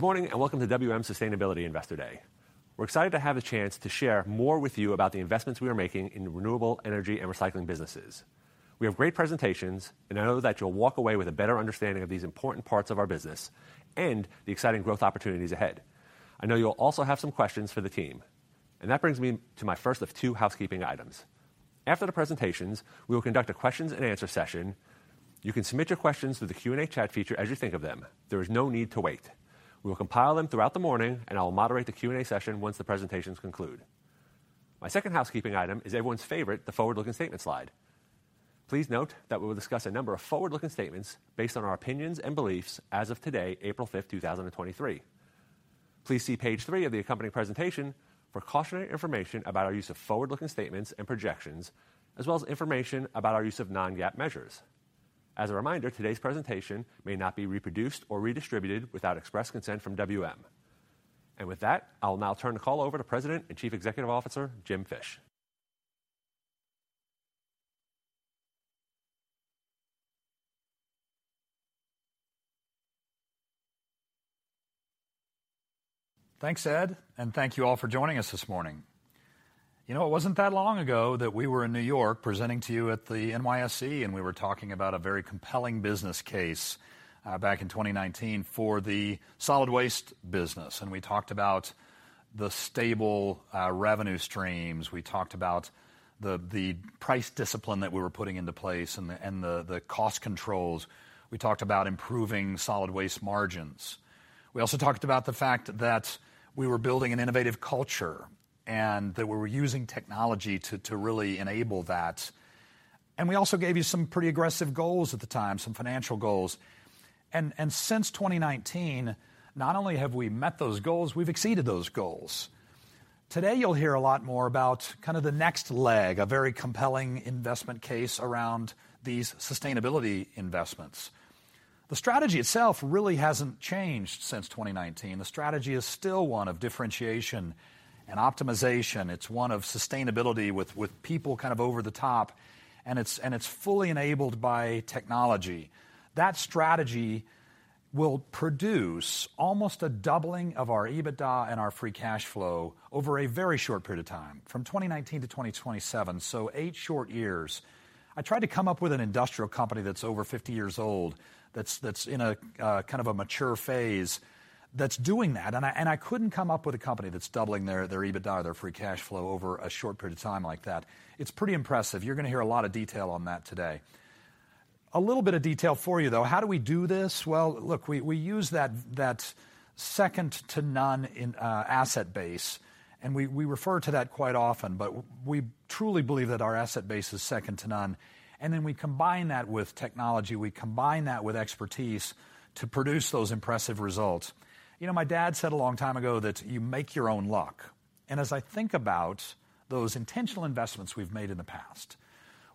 Good morning, welcome to WM Sustainability Investor Day. We're excited to have the chance to share more with you about the investments we are making in renewable energy and recycling businesses. We have great presentations, and I know that you'll walk away with a better understanding of these important parts of our business and the exciting growth opportunities ahead. I know you'll also have some questions for the team, and that brings me to my first of 2 housekeeping items. After the presentations, we will conduct a questions and answer session. You can submit your questions through the Q&A chat feature as you think of them. There is no need to wait. We will compile them throughout the morning, and I will moderate the Q&A session once the presentations conclude. My second housekeeping item is everyone's favorite, the forward-looking statement slide. Please note that we will discuss a number of forward-looking statements based on our opinions and beliefs as of today, April fifth, two thousand and twenty-three. Please see page 3 of the accompanying presentation for cautionary information about our use of forward-looking statements and projections, as well as information about our use of non-GAAP measures. As a reminder, today's presentation may not be reproduced or redistributed without express consent from WM. With that, I'll now turn the call over to President and Chief Executive Officer, Jim Fish. Thanks, Ed. Thank you all for joining us this morning. You know, it wasn't that long ago that we were in New York presenting to you at the NYSE, and we were talking about a very compelling business case back in 2019 for the solid waste business. We talked about the stable revenue streams. We talked about the price discipline that we were putting into place and the cost controls. We talked about improving solid waste margins. We also talked about the fact that we were building an innovative culture and that we were using technology to really enable that. We also gave you some pretty aggressive goals at the time, some financial goals. Since 2019, not only have we met those goals, we've exceeded those goals. Today, you'll hear a lot more about kind of the next leg, a very compelling investment case around these sustainability investments. The strategy itself really hasn't changed since 2019. The strategy is still one of differentiation and optimization. It's one of sustainability with people kind of over the top, and it's fully enabled by technology. That strategy will produce almost a doubling of our EBITDA and our free cash flow over a very short period of time, from 2019 to 2027, so 8 short years. I tried to come up with an industrial company that's over 50 years old, that's in a kind of a mature phase that's doing that. I couldn't come up with a company that's doubling their EBITDA or their free cash flow over a short period of time like that. It's pretty impressive. You're gonna hear a lot of detail on that today. A little bit of detail for you, though. How do we do this? Well, look, we use that second to none in asset base, and we refer to that quite often, but we truly believe that our asset base is second to none. We combine that with technology. We combine that with expertise to produce those impressive results. You know, my dad said a long time ago that you make your own luck. As I think about those intentional investments we've made in the past,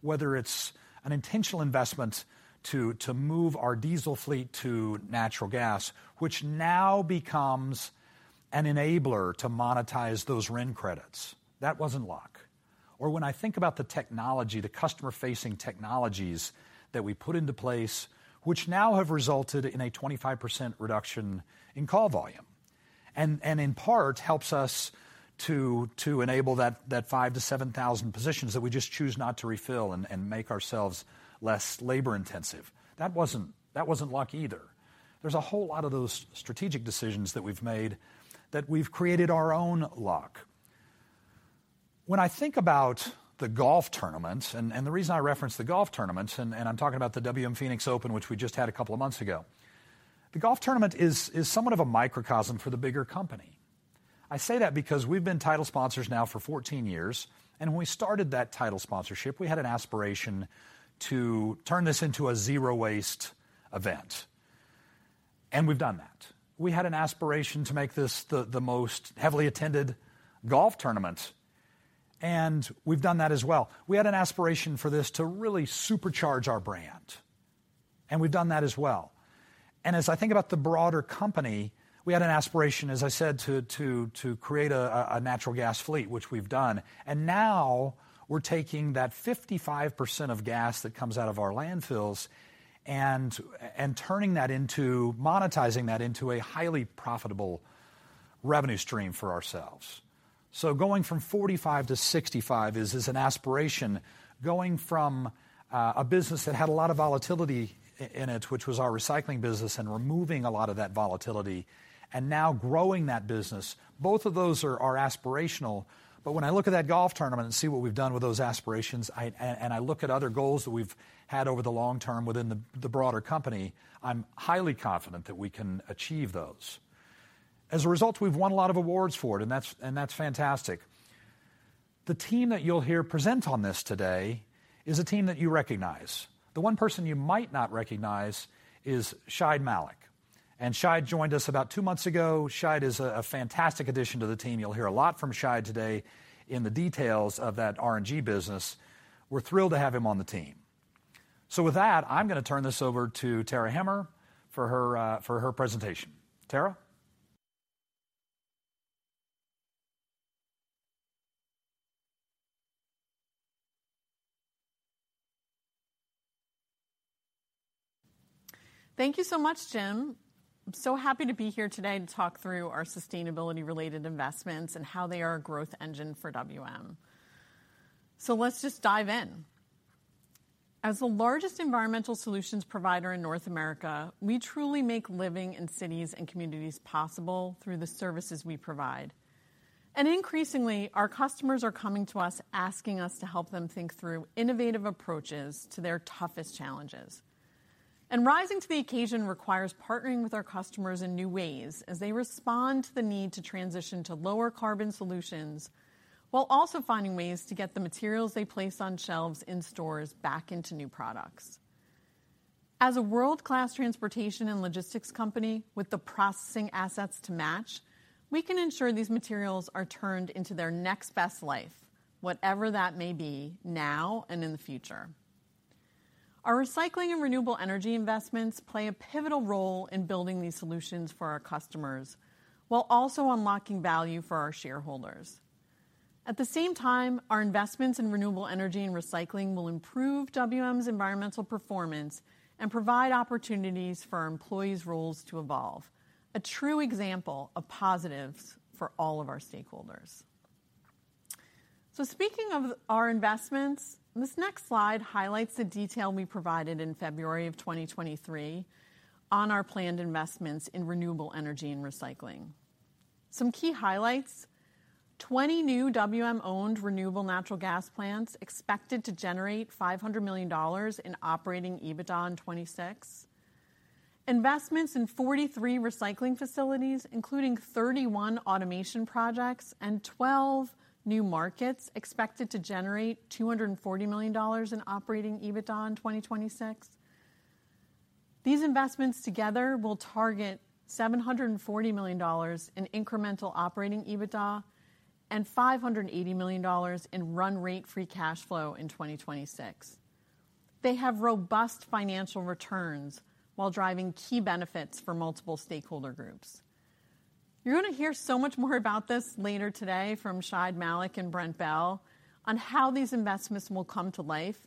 whether it's an intentional investment to move our diesel fleet to natural gas, which now becomes an enabler to monetize those RIN credits. That wasn't luck. When I think about the technology, the customer-facing technologies that we put into place, which now have resulted in a 25% reduction in call volume, and in part helps us to enable that 5,000-7,000 positions that we just choose not to refill and make ourselves less labor-intensive. That wasn't luck either. There's a whole lot of those strategic decisions that we've made that we've created our own luck. When I think about the golf tournament, and the reason I reference the golf tournament, and I'm talking about the WM Phoenix Open, which we just had a couple of months ago. The golf tournament is somewhat of a microcosm for the bigger company. I say that because we've been title sponsors now for 14 years, when we started that title sponsorship, we had an aspiration to turn this into a zero-waste event. We've done that. We had an aspiration to make this the most heavily attended golf tournament, we've done that as well. We had an aspiration for this to really supercharge our brand, we've done that as well. As I think about the broader company, we had an aspiration, as I said, to create a natural gas fleet, which we've done. Now we're taking that 55% of gas that comes out of our landfills and turning that into... monetizing that into a highly profitable revenue stream for ourselves. Going from 45% to 65% is an aspiration. Going from a business that had a lot of volatility in it, which was our recycling business, and removing a lot of that volatility and now growing that business, both of those are aspirational. When I look at that golf tournament and see what we've done with those aspirations, I and I look at other goals that we've had over the long term within the broader company, I'm highly confident that we can achieve those. As a result, we've won a lot of awards for it, and that's fantastic. The team that you'll hear present on this today is a team that you recognize. The one person you might not recognize is Shahid Malik. Shahid joined us about two months ago. Shahid is a fantastic addition to the team. You'll hear a lot from Shahid today in the details of that RNG business. We're thrilled to have him on the team. With that, I'm gonna turn this over to Tara Hemmer for her, for her presentation. Tara? Thank you so much, Jim. I'm so happy to be here today to talk through our sustainability-related investments and how they are a growth engine for WM. Let's just dive in. As the largest environmental solutions provider in North America, we truly make living in cities and communities possible through the services we provide. Increasingly, our customers are coming to us, asking us to help them think through innovative approaches to their toughest challenges. Rising to the occasion requires partnering with our customers in new ways as they respond to the need to transition to lower carbon solutions while also finding ways to get the materials they place on shelves in stores back into new products. As a world-class transportation and logistics company with the processing assets to match, we can ensure these materials are turned into their next best life, whatever that may be now and in the future. Our recycling and renewable energy investments play a pivotal role in building these solutions for our customers while also unlocking value for our shareholders. At the same time, our investments in renewable energy and recycling will improve WM's environmental performance and provide opportunities for our employees' roles to evolve. A true example of positives for all of our stakeholders. Speaking of our investments, this next slide highlights the detail we provided in February of 2023 on our planned investments in renewable energy and recycling. Some key highlights, 20 new WM-owned renewable natural gas plants expected to generate $500 million in operating EBITDA in 2026. Investments in 43 recycling facilities, including 31 automation projects and 12 new markets expected to generate $240 million in operating EBITDA in 2026. These investments together will target $740 million in incremental operating EBITDA and $580 million in run rate free cash flow in 2026. They have robust financial returns while driving key benefits for multiple stakeholder groups. You're gonna hear so much more about this later today from Shahid Malik and Brent Bell on how these investments will come to life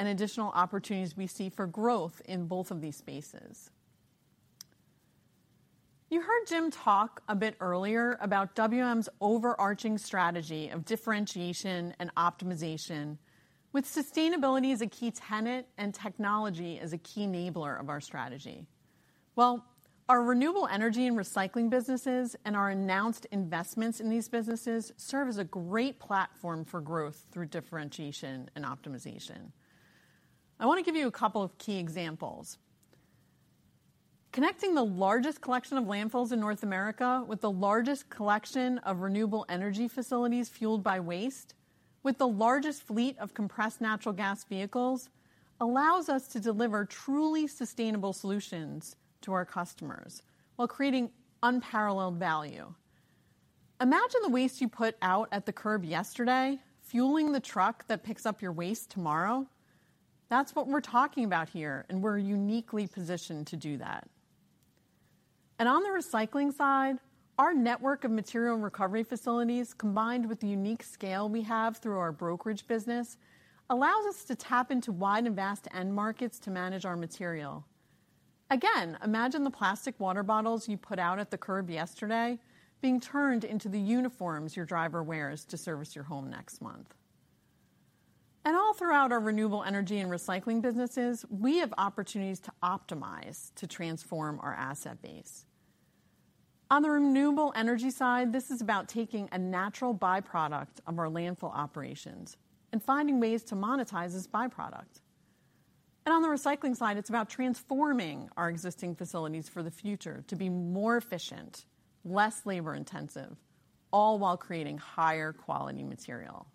and additional opportunities we see for growth in both of these spaces. You heard Jim talk a bit earlier about WM's overarching strategy of differentiation and optimization with sustainability as a key tenet and technology as a key enabler of our strategy. Well, our renewable energy and recycling businesses and our announced investments in these businesses serve as a great platform for growth through differentiation and optimization. I wanna give you a couple of key examples. Connecting the largest collection of landfills in North America with the largest collection of renewable energy facilities fueled by waste, with the largest fleet of compressed natural gas vehicles, allows us to deliver truly sustainable solutions to our customers while creating unparalleled value. Imagine the waste you put out at the curb yesterday fueling the truck that picks up your waste tomorrow. That's what we're talking about here, and we're uniquely positioned to do that. On the recycling side, our network of material and recovery facilities, combined with the unique scale we have through our brokerage business, allows us to tap into wide and vast end markets to manage our material. Again, imagine the plastic water bottles you put out at the curb yesterday being turned into the uniforms your driver wears to service your home next month. All throughout our renewable energy and recycling businesses, we have opportunities to optimize to transform our asset base. On the renewable energy side, this is about taking a natural byproduct of our landfill operations and finding ways to monetize this byproduct. On the recycling side, it's about transforming our existing facilities for the future to be more efficient, less labor-intensive, all while creating higher quality material.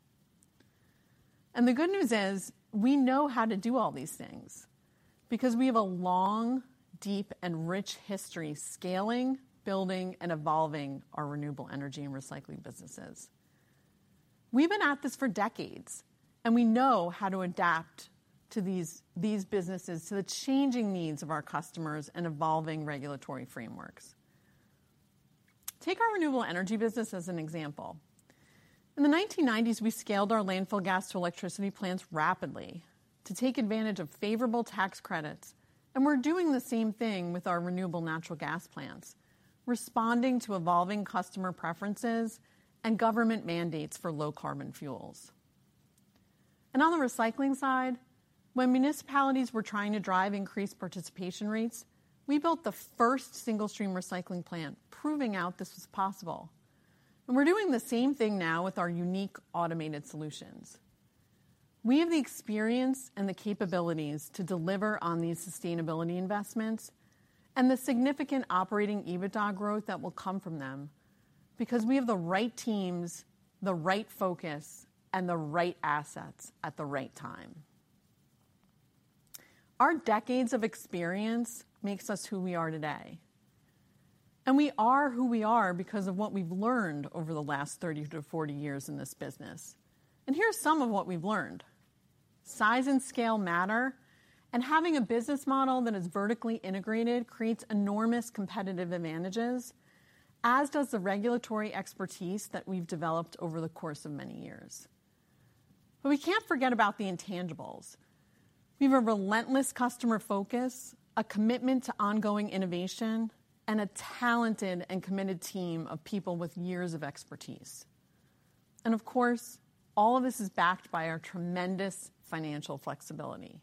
The good news is we know how to do all these things because we have a long, deep, and rich history scaling, building, and evolving our renewable energy and recycling businesses. We've been at this for decades, and we know how to adapt to these businesses to the changing needs of our customers and evolving regulatory frameworks. Take our renewable energy business as an example. In the 1990s, we scaled our landfill gas to electricity plants rapidly to take advantage of favorable tax credits, and we're doing the same thing with our renewable natural gas plants, responding to evolving customer preferences and government mandates for low carbon fuels. On the recycling side, when municipalities were trying to drive increased participation rates, we built the first single-stream recycling plant, proving out this was possible. We're doing the same thing now with our unique automated solutions. We have the experience and the capabilities to deliver on these sustainability investments and the significant operating EBITDA growth that will come from them because we have the right teams, the right focus, and the right assets at the right time. Our decades of experience makes us who we are today, and we are who we are because of what we've learned over the last 30 to 40 years in this business. Here's some of what we've learned. Size and scale matter, and having a business model that is vertically integrated creates enormous competitive advantages, as does the regulatory expertise that we've developed over the course of many years. We can't forget about the intangibles. We have a relentless customer focus, a commitment to ongoing innovation, and a talented and committed team of people with years of expertise. Of course, all of this is backed by our tremendous financial flexibility.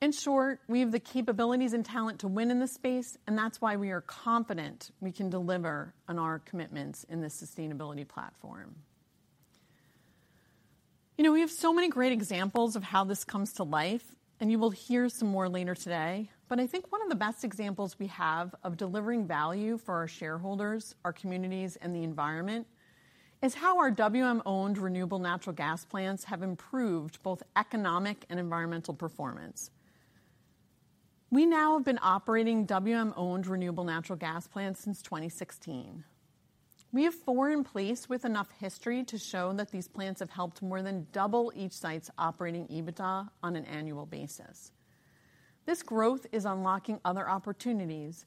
In short, we have the capabilities and talent to win in this space, and that's why we are confident we can deliver on our commitments in this sustainability platform. You know, we have so many great examples of how this comes to life, and you will hear some more later today. I think one of the best examples we have of delivering value for our shareholders, our communities, and the environment is how our WM-owned renewable natural gas plants have improved both economic and environmental performance. We now have been operating WM-owned renewable natural gas plants since 2016. We have four in place with enough history to show that these plants have helped more than double each site's operating EBITDA on an annual basis. This growth is unlocking other opportunities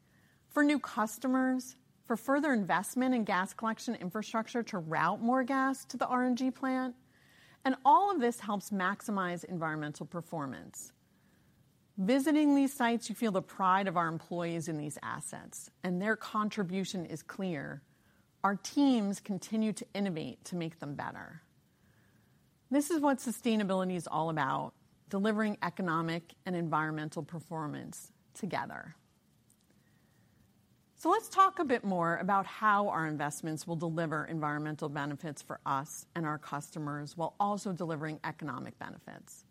for new customers, for further investment in gas collection infrastructure to route more gas to the RNG plant, and all of this helps maximize environmental performance. Visiting these sites, you feel the pride of our employees in these assets, and their contribution is clear. Our teams continue to innovate to make them better. This is what sustainability is all about, delivering economic and environmental performance together. Let's talk a bit more about how our investments will deliver environmental benefits for us and our customers while also delivering economic benefits.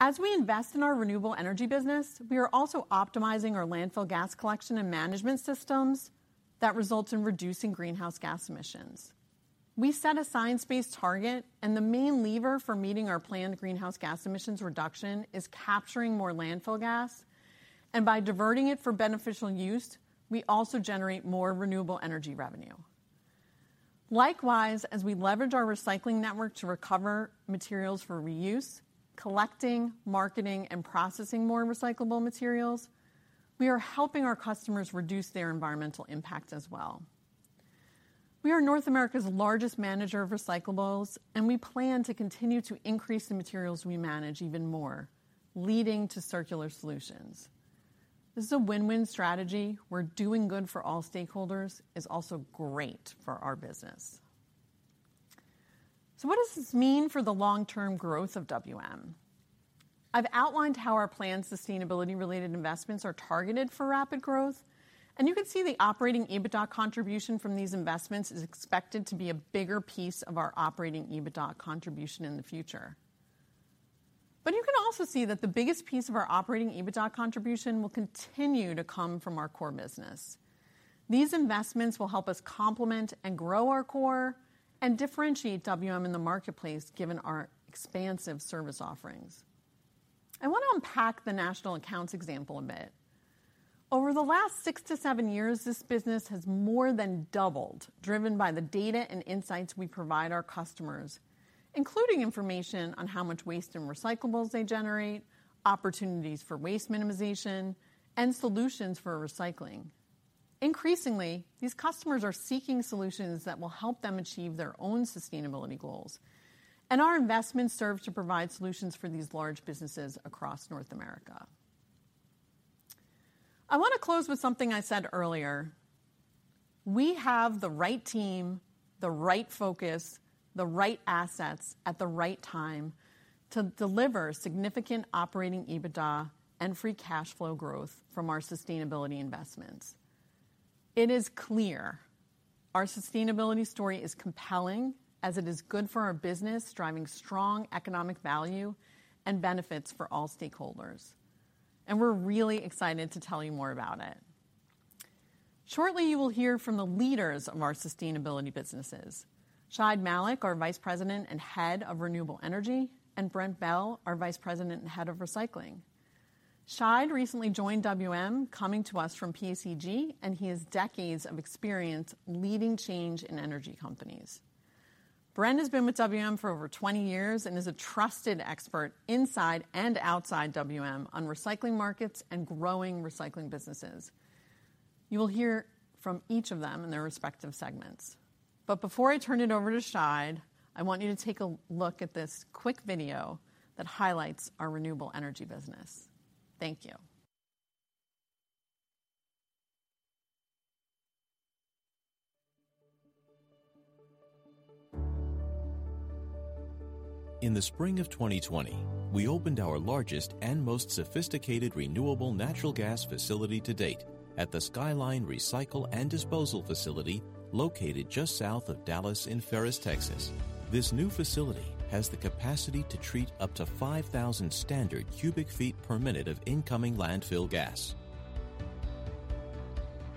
As we invest in our renewable energy business, we are also optimizing our landfill gas collection and management systems that results in reducing greenhouse gas emissions. We set a science-based target, and the main lever for meeting our planned greenhouse gas emissions reduction is capturing more landfill gas. By diverting it for beneficial use, we also generate more renewable energy revenue. Likewise, as we leverage our recycling network to recover materials for reuse, collecting, marketing, and processing more recyclable materials, we are helping our customers reduce their environmental impact as well. We are North America's largest manager of recyclables, and we plan to continue to increase the materials we manage even more, leading to circular solutions. This is a win-win strategy where doing good for all stakeholders is also great for our business. What does this mean for the long-term growth of WM? I've outlined how our planned sustainability-related investments are targeted for rapid growth, and you can see the operating EBITDA contribution from these investments is expected to be a bigger piece of our operating EBITDA contribution in the future. You can also see that the biggest piece of our operating EBITDA contribution will continue to come from our core business. These investments will help us complement and grow our core and differentiate WM in the marketplace given our expansive service offerings. I want to unpack the National Accounts example a bit. Over the last 6-7 years, this business has more than doubled, driven by the data and insights we provide our customers, including information on how much waste and recyclables they generate, opportunities for waste minimization, and solutions for recycling. Increasingly, these customers are seeking solutions that will help them achieve their own sustainability goals. Our investments serve to provide solutions for these large businesses across North America. I want to close with something I said earlier. We have the right team, the right focus, the right assets at the right time to deliver significant operating EBITDA and free cash flow growth from our sustainability investments. It is clear our sustainability story is compelling as it is good for our business, driving strong economic value and benefits for all stakeholders. We're really excited to tell you more about it. Shortly, you will hear from the leaders of our sustainability businesses, Shahid Malik, our Vice President and Head of Renewable Energy, and Brent Bell, our Vice President and Head of Recycling. Shahid recently joined WM, coming to us from PSEG. He has decades of experience leading change in energy companies. Brent has been with WM for over 20 years and is a trusted expert inside and outside WM on recycling markets and growing recycling businesses. You will hear from each of them in their respective segments. Before I turn it over to Shahid, I want you to take a look at this quick video that highlights our renewable energy business. Thank you. In the spring of 2020, we opened our largest and most sophisticated renewable natural gas facility to date at the Skyline Recycle and Disposal Facility located just south of Dallas in Ferris, Texas. This new facility has the capacity to treat up to 5,000 standard cubic feet per minute of incoming landfill gas.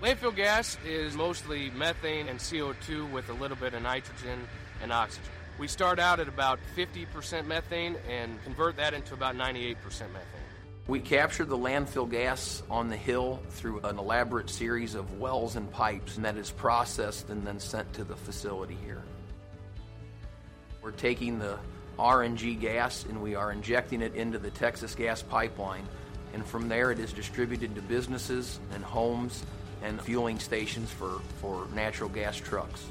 Landfill gas is mostly methane and CO2 with a little bit of nitrogen and oxygen. We start out at about 50% methane and convert that into about 98% methane. We capture the landfill gas on the hill through an elaborate series of wells and pipes. That is processed and then sent to the facility here. We're taking the RNG gas, and we are injecting it into the Texas gas pipeline. From there it is distributed to businesses and homes and fueling stations for natural gas trucks.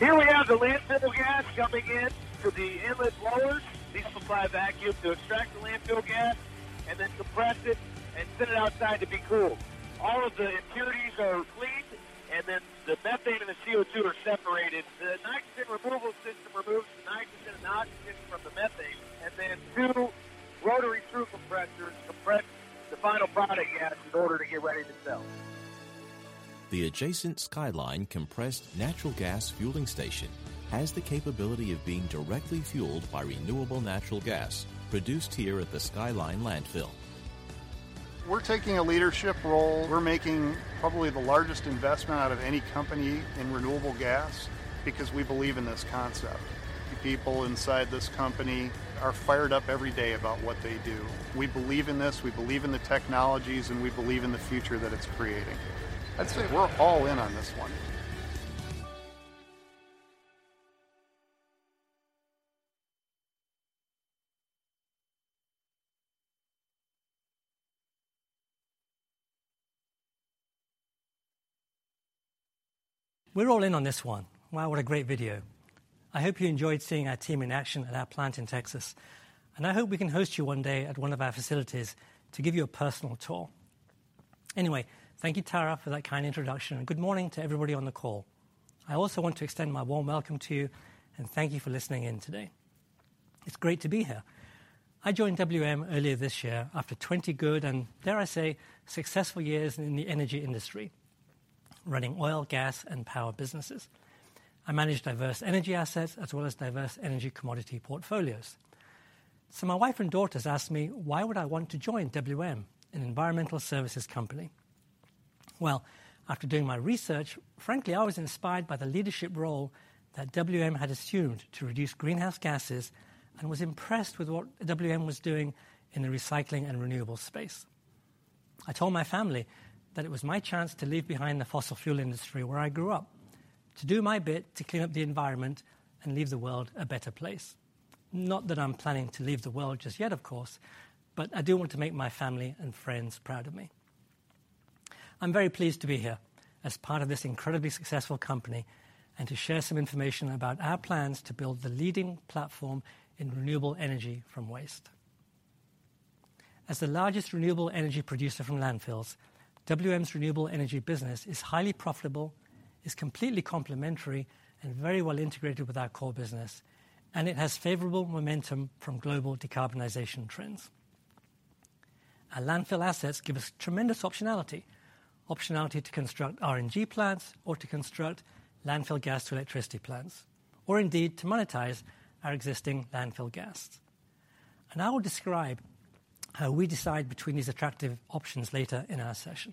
Here we have the landfill gas coming in to the inlet blowers. These supply vacuum to extract the landfill gas and then compress it and send it outside to be cooled. All of the impurities are cleaned, and then the methane and the CO2 are separated. The nitrogen removal system removes the nitrogen and oxygen from the methane, and then two rotary screw compressors compress the final product gas in order to get ready to sell. The adjacent Skyline compressed natural gas fueling station has the capability of being directly fueled by renewable natural gas produced here at the Skyline Landfill. We're taking a leadership role. We're making probably the largest investment out of any company in renewable gas because we believe in this concept. The people inside this company are fired up every day about what they do. We believe in this, we believe in the technologies, and we believe in the future that it's creating. I'd say we're all in on this one. We're all in on this one. Wow, what a great video. I hope you enjoyed seeing our team in action at our plant in Texas, and I hope we can host you one day at one of our facilities to give you a personal tour. Thank you, Tara, for that kind introduction, and good morning to everybody on the call. I also want to extend my warm welcome to you and thank you for listening in today. It's great to be here. I joined WM earlier this year after 20 good and, dare I say, successful years in the energy industry, running oil, gas, and power businesses. I managed diverse energy assets as well as diverse energy commodity portfolios. My wife and daughters asked me, why would I want to join WM, an environmental services company? Well, after doing my research, frankly, I was inspired by the leadership role that WM had assumed to reduce greenhouse gases and was impressed with what WM was doing in the recycling and renewable space. I told my family that it was my chance to leave behind the fossil fuel industry where I grew up, to do my bit to clean up the environment and leave the world a better place. Not that I'm planning to leave the world just yet, of course, but I do want to make my family and friends proud of me. I'm very pleased to be here as part of this incredibly successful company and to share some information about our plans to build the leading platform in renewable energy from waste. As the largest renewable energy producer from landfills, WM's renewable energy business is highly profitable, is completely complementary and very well integrated with our core business, it has favorable momentum from global decarbonization trends. Our landfill assets give us tremendous optionality. Optionality to construct RNG plants or to construct landfill gas to electricity plants, indeed to monetize our existing landfill gas. I will describe how we decide between these attractive options later in our session.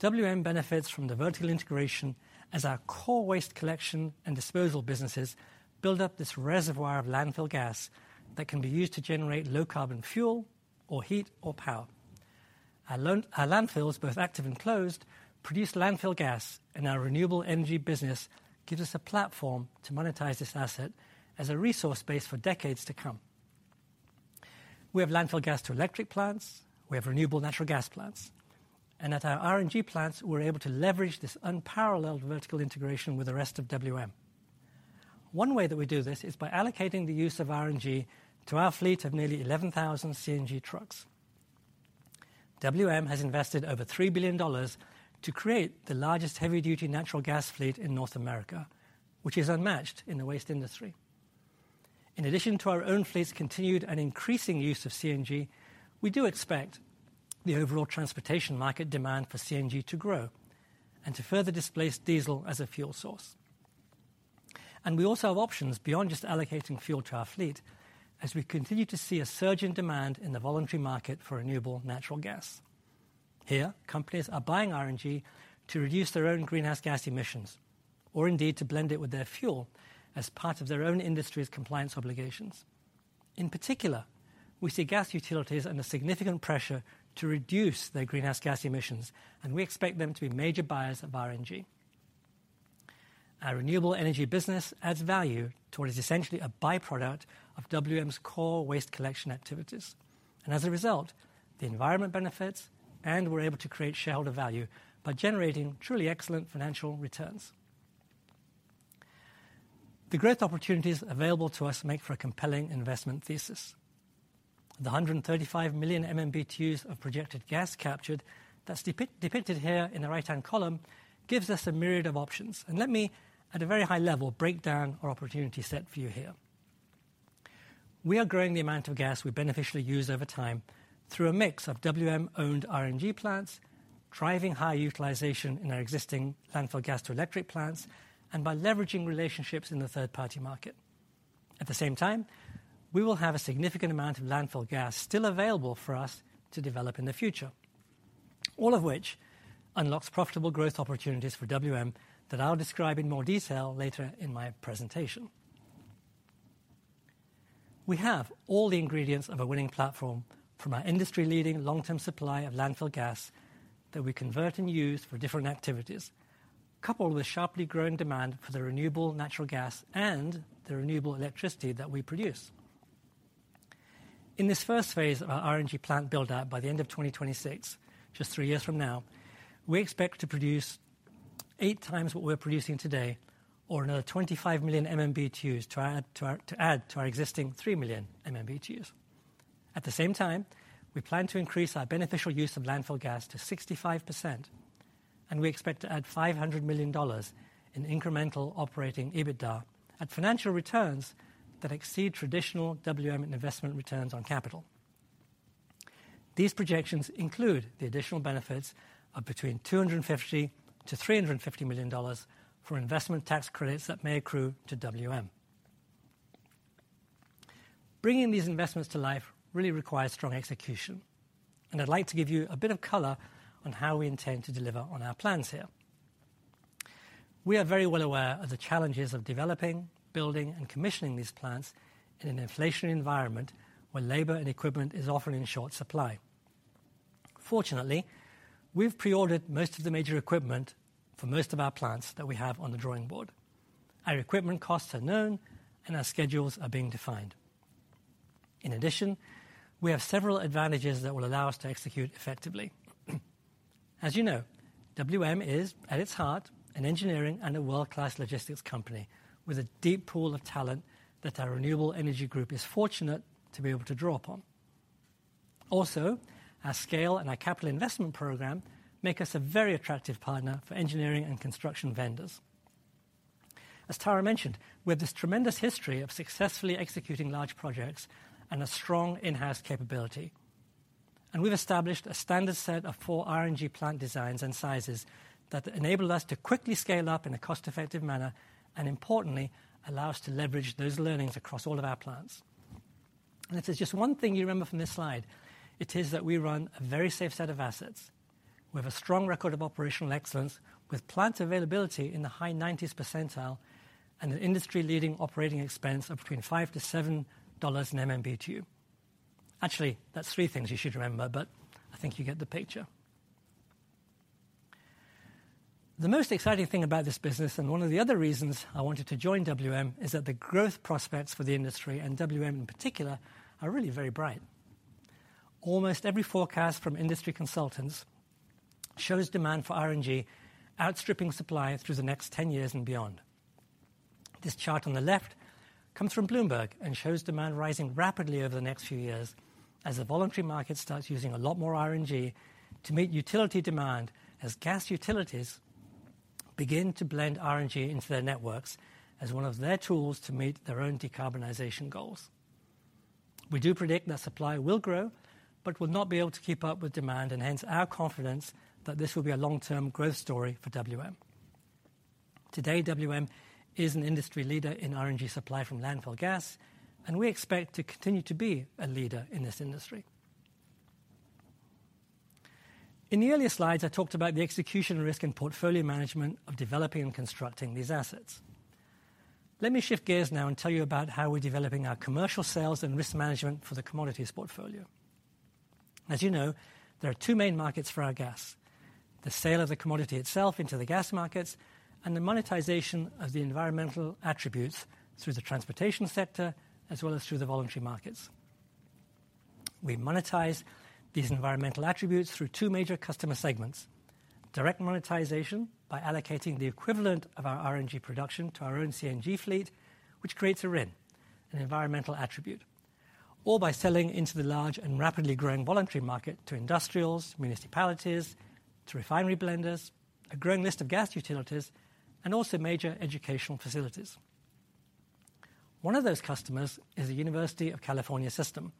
WM benefits from the vertical integration as our core waste collection and disposal businesses build up this reservoir of landfill gas that can be used to generate low carbon fuel or heat or power. Our landfills, both active and closed, produce landfill gas, our renewable energy business gives us a platform to monetize this asset as a resource base for decades to come. We have landfill gas to electric plants. We have renewable natural gas plants. At our RNG plants, we're able to leverage this unparalleled vertical integration with the rest of WM. One way that we do this is by allocating the use of RNG to our fleet of nearly 11,000 CNG trucks. WM has invested over $3 billion to create the largest heavy-duty natural gas fleet in North America, which is unmatched in the waste industry. In addition to our own fleet's continued and increasing use of CNG, we do expect the overall transportation market demand for CNG to grow and to further displace diesel as a fuel source. We also have options beyond just allocating fuel to our fleet as we continue to see a surge in demand in the voluntary market for renewable natural gas. Here, companies are buying RNG to reduce their own greenhouse gas emissions, or indeed to blend it with their fuel as part of their own industry's compliance obligations. In particular, we see gas utilities under significant pressure to reduce their greenhouse gas emissions, we expect them to be major buyers of RNG. Our renewable energy business adds value to what is essentially a byproduct of WM's core waste collection activities. As a result, the environment benefits and we're able to create shareholder value by generating truly excellent financial returns. The growth opportunities available to us make for a compelling investment thesis. The 135 million MMBtus of projected gas captured that's depicted here in the right-hand column gives us a myriad of options. Let me, at a very high level, break down our opportunity set for you here. We are growing the amount of gas we beneficially use over time through a mix of WM-owned RNG plants, driving high utilization in our existing landfill gas to electric plants, and by leveraging relationships in the third-party market. At the same time, we will have a significant amount of landfill gas still available for us to develop in the future, all of which unlocks profitable growth opportunities for WM that I'll describe in more detail later in my presentation. We have all the ingredients of a winning platform from our industry-leading long-term supply of landfill gas that we convert and use for different activities, coupled with sharply growing demand for the renewable natural gas and the renewable electricity that we produce. In this first phase of our RNG plant build out by the end of 2026, just 3 years from now, we expect to produce 8 times what we're producing today, or another 25 million MMBtu to add to our existing 3 million MMBtus. At the same time, we plan to increase our beneficial use of landfill gas to 65%, and we expect to add $500 million in incremental operating EBITDA at financial returns that exceed traditional WM investment returns on capital. These projections include the additional benefits of between $250 million-$350 million for investment tax credits that may accrue to WM. Bringing these investments to life really requires strong execution, and I'd like to give you a bit of color on how we intend to deliver on our plans here. We are very well aware of the challenges of developing, building, and commissioning these plants in an inflationary environment where labor and equipment is often in short supply. Fortunately, we've pre-ordered most of the major equipment for most of our plants that we have on the drawing board. Our equipment costs are known, and our schedules are being defined. In addition, we have several advantages that will allow us to execute effectively. As you know, WM is, at its heart, an engineering and a world-class logistics company with a deep pool of talent that our renewable energy group is fortunate to be able to draw upon. Also, our scale and our capital investment program make us a very attractive partner for engineering and construction vendors. As Tara mentioned, with this tremendous history of successfully executing large projects and a strong in-house capability. We've established a standard set of 4 RNG plant designs and sizes that enable us to quickly scale up in a cost-effective manner, and importantly, allow us to leverage those learnings across all of our plants. If there's just 1 thing you remember from this slide, it is that we run a very safe set of assets. We have a strong record of operational excellence with plant availability in the high nineties percentile and an industry-leading operating expense of between $5-$7 in MMBtu. Actually, that's three things you should remember, but I think you get the picture. The most exciting thing about this business, and one of the other reasons I wanted to join WM, is that the growth prospects for the industry and WM, in particular, are really very bright. Almost every forecast from industry consultants shows demand for RNG outstripping supply through the next 10 years and beyond. This chart on the left comes from Bloomberg and shows demand rising rapidly over the next few years as the voluntary market starts using a lot more RNG to meet utility demand as gas utilities begin to blend RNG into their networks as one of their tools to meet their own decarbonization goals. We do predict that supply will grow but will not be able to keep up with demand, hence our confidence that this will be a long-term growth story for WM. Today, WM is an industry leader in RNG supply from landfill gas, we expect to continue to be a leader in this industry. In the earlier slides, I talked about the execution risk and portfolio management of developing and constructing these assets. Let me shift gears now tell you about how we're developing our commercial sales and risk management for the commodities portfolio. As you know, there are two main markets for our gas: the sale of the commodity itself into the gas markets and the monetization of the environmental attributes through the transportation sector, as well as through the voluntary markets. We monetize these environmental attributes through two major customer segments. Direct monetization by allocating the equivalent of our RNG production to our own CNG fleet, which creates a RIN, an environmental attribute, or by selling into the large and rapidly growing voluntary market to industrials, municipalities, to refinery blenders, a growing list of gas utilities, and also major educational facilities. One of those customers is the University of California system,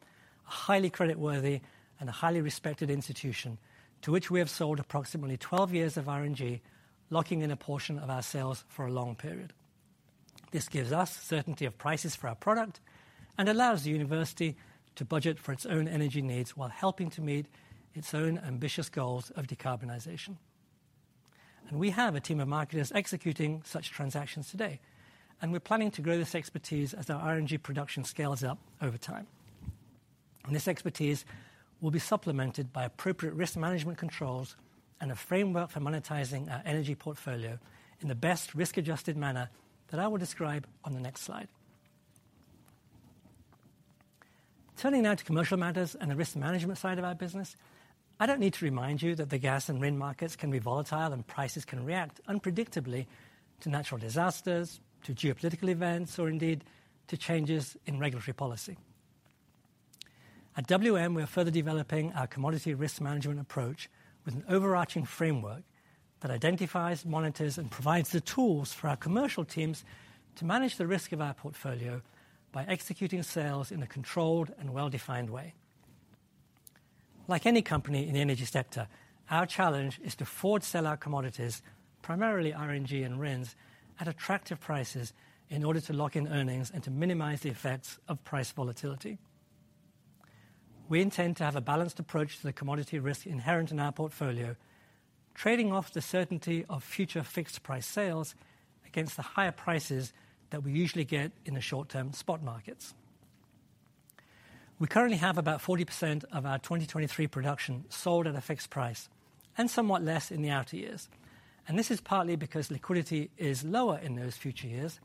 a highly creditworthy and a highly respected institution, to which we have sold approximately 12 years of RNG, locking in a portion of our sales for a long period. This gives us certainty of prices for our product and allows the university to budget for its own energy needs while helping to meet its own ambitious goals of decarbonization. We have a team of marketers executing such transactions today, and we're planning to grow this expertise as our RNG production scales up over time. This expertise will be supplemented by appropriate risk management controls and a framework for monetizing our energy portfolio in the best risk-adjusted manner that I will describe on the next slide. Turning now to commercial matters and the risk management side of our business, I don't need to remind you that the gas and RIN markets can be volatile, and prices can react unpredictably to natural disasters, to geopolitical events, or indeed, to changes in regulatory policy. At WM, we are further developing our commodity risk management approach with an overarching framework that identifies, monitors, and provides the tools for our commercial teams to manage the risk of our portfolio by executing sales in a controlled and well-defined way. Like any company in the energy sector, our challenge is to forward sell our commodities, primarily RNG and RINs, at attractive prices in order to lock in earnings and to minimize the effects of price volatility. We intend to have a balanced approach to the commodity risk inherent in our portfolio, trading off the certainty of future fixed-price sales against the higher prices that we usually get in the short-term spot markets. We currently have about 40% of our 2023 production sold at a fixed price and somewhat less in the outer years. This is partly because liquidity is lower in those future years,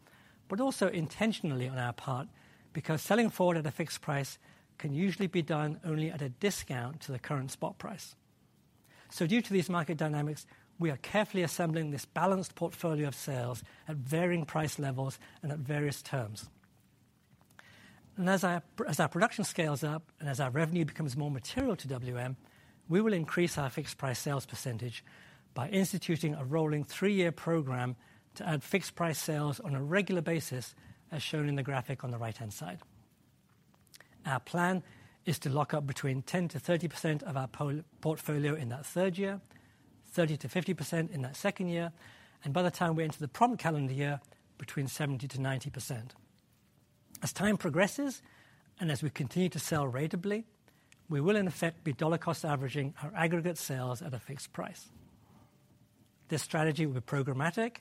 but also intentionally on our part because selling forward at a fixed price can usually be done only at a discount to the current spot price. Due to these market dynamics, we are carefully assembling this balanced portfolio of sales at varying price levels and at various terms. As our production scales up and as our revenue becomes more material to WM, we will increase our fixed price sales percentage by instituting a rolling three-year program to add fixed price sales on a regular basis, as shown in the graphic on the right-hand side. Our plan is to lock up between 10%-30% of our portfolio in that third year, 30%-50% in that second year, and by the time we're into the prompt calendar year, between 70%-90%. As time progresses, and as we continue to sell ratably, we will in effect be dollar cost averaging our aggregate sales at a fixed price. This strategy will be programmatic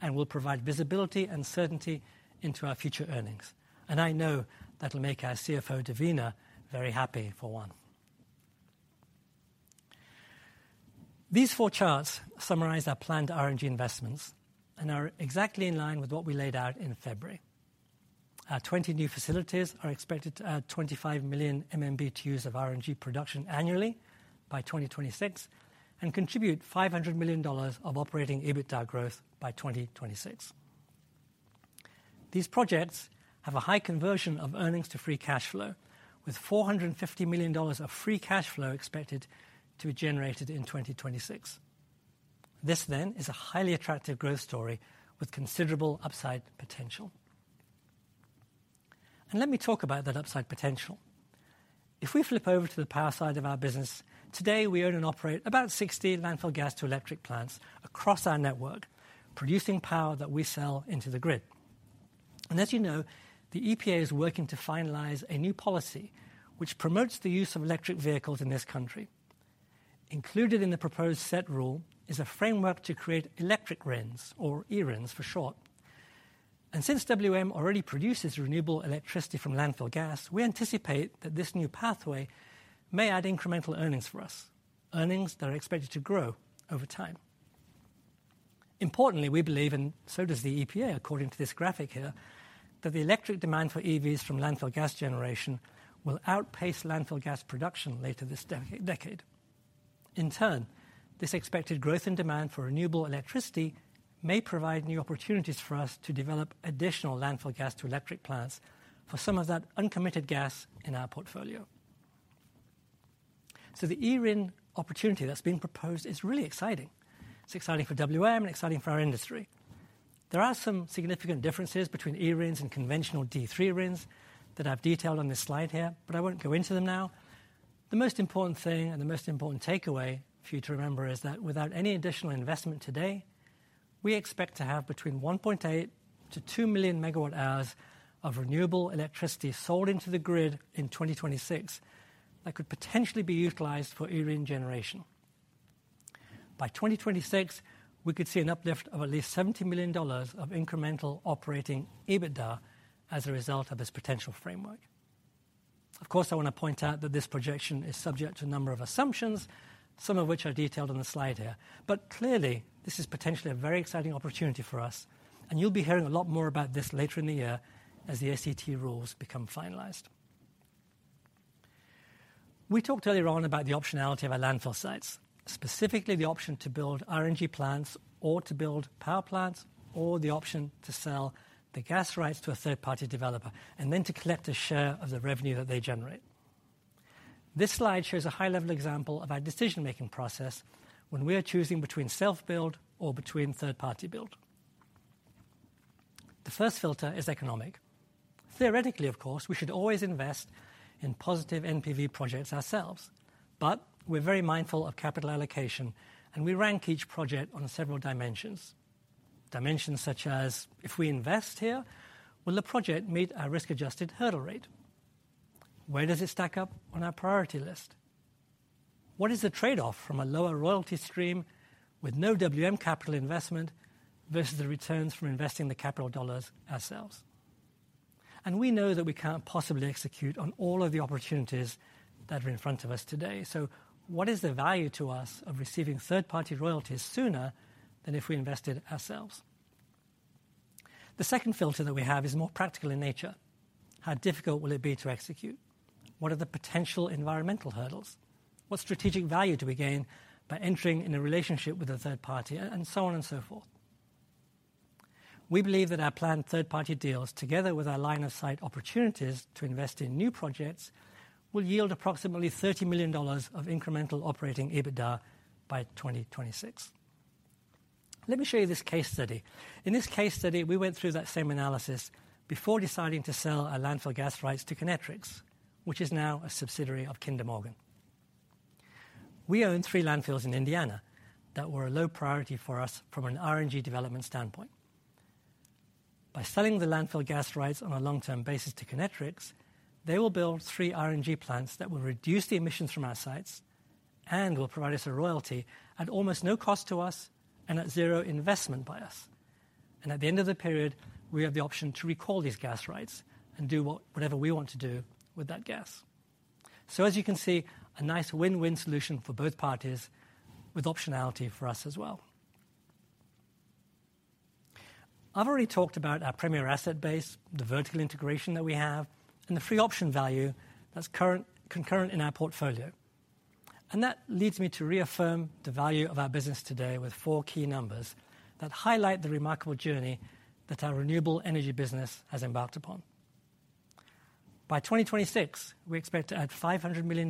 and will provide visibility and certainty into our future earnings. I know that'll make our CFO, Devina, very happy for one. These four charts summarize our planned RNG investments and are exactly in line with what we laid out in February. Our 20 new facilities are expected to add 25 million MMBtus of RNG production annually by 2026 and contribute $500 million of operating EBITDA growth by 2026. These projects have a high conversion of earnings to free cash flow, with $450 million of free cash flow expected to be generated in 2026. This then is a highly attractive growth story with considerable upside potential. Let me talk about that upside potential. If we flip over to the power side of our business, today we own and operate about 60 landfill gas to electric plants across our network, producing power that we sell into the grid. As you know, the EPA is working to finalize a new policy which promotes the use of electric vehicles in this country. Included in the proposed Set Rule is a framework to create electric RINs, or eRINs for short. Since WM already produces renewable electricity from landfill gas, we anticipate that this new pathway may add incremental earnings for us, earnings that are expected to grow over time. Importantly, we believe, and so does the EPA, according to this graphic here, that the electric demand for EVs from landfill gas generation will outpace landfill gas production later this decade. In turn, this expected growth in demand for renewable electricity may provide new opportunities for us to develop additional landfill gas to electric plants for some of that uncommitted gas in our portfolio. The eRIN opportunity that's being proposed is really exciting. It's exciting for WM and exciting for our industry. There are some significant differences between eRINs and conventional D3 RINs that I've detailed on this slide here, but I won't go into them now. The most important thing and the most important takeaway for you to remember is that without any additional investment today, we expect to have between 1.8 million-2 million megawatt hours of renewable electricity sold into the grid in 2026 that could potentially be utilized for eRIN generation. By 2026, we could see an uplift of at least $70 million of incremental operating EBITDA as a result of this potential framework. Of course, I wanna point out that this projection is subject to a number of assumptions, some of which are detailed on the slide here. Clearly, this is potentially a very exciting opportunity for us, and you'll be hearing a lot more about this later in the year as the Set Rule become finalized. We talked earlier on about the optionality of our landfill sites, specifically the option to build RNG plants or to build power plants, or the option to sell the gas rights to a third-party developer and then to collect a share of the revenue that they generate. This slide shows a high-level example of our decision-making process when we are choosing between self-build or between third-party build. The first filter is economic. Theoretically, of course, we should always invest in positive NPV projects ourselves, but we're very mindful of capital allocation, and we rank each project on several dimensions. Dimensions such as, if we invest here, will the project meet our risk-adjusted hurdle rate? Where does it stack up on our priority list? What is the trade-off from a lower royalty stream with no WM capital investment versus the returns from investing the capital dollars ourselves? We know that we can't possibly execute on all of the opportunities that are in front of us today. What is the value to us of receiving third-party royalties sooner than if we invested ourselves? The second filter that we have is more practical in nature. How difficult will it be to execute? What are the potential environmental hurdles? What strategic value do we gain by entering in a relationship with a third party, and so on and so forth? We believe that our planned third-party deals, together with our line of sight opportunities to invest in new projects, will yield approximately $30 million of incremental operating EBITDA by 2026. Let me show you this case study. In this case study, we went through that same analysis before deciding to sell our landfill gas rights to Kinetrex Energy, which is now a subsidiary of Kinder Morgan. We own three landfills in Indiana that were a low priority for us from an RNG development standpoint. By selling the landfill gas rights on a long-term basis to Kinetrex Energy, they will build three RNG plants that will reduce the emissions from our sites and will provide us a royalty at almost no cost to us and at zero investment by us. At the end of the period, we have the option to recall these gas rights and do whatever we want to do with that gas. As you can see, a nice win-win solution for both parties with optionality for us as well. I've already talked about our premier asset base, the vertical integration that we have, and the free option value that's concurrent in our portfolio. That leads me to reaffirm the value of our business today with four key numbers that highlight the remarkable journey that our renewable energy business has embarked upon. By 2026, we expect to add $500 million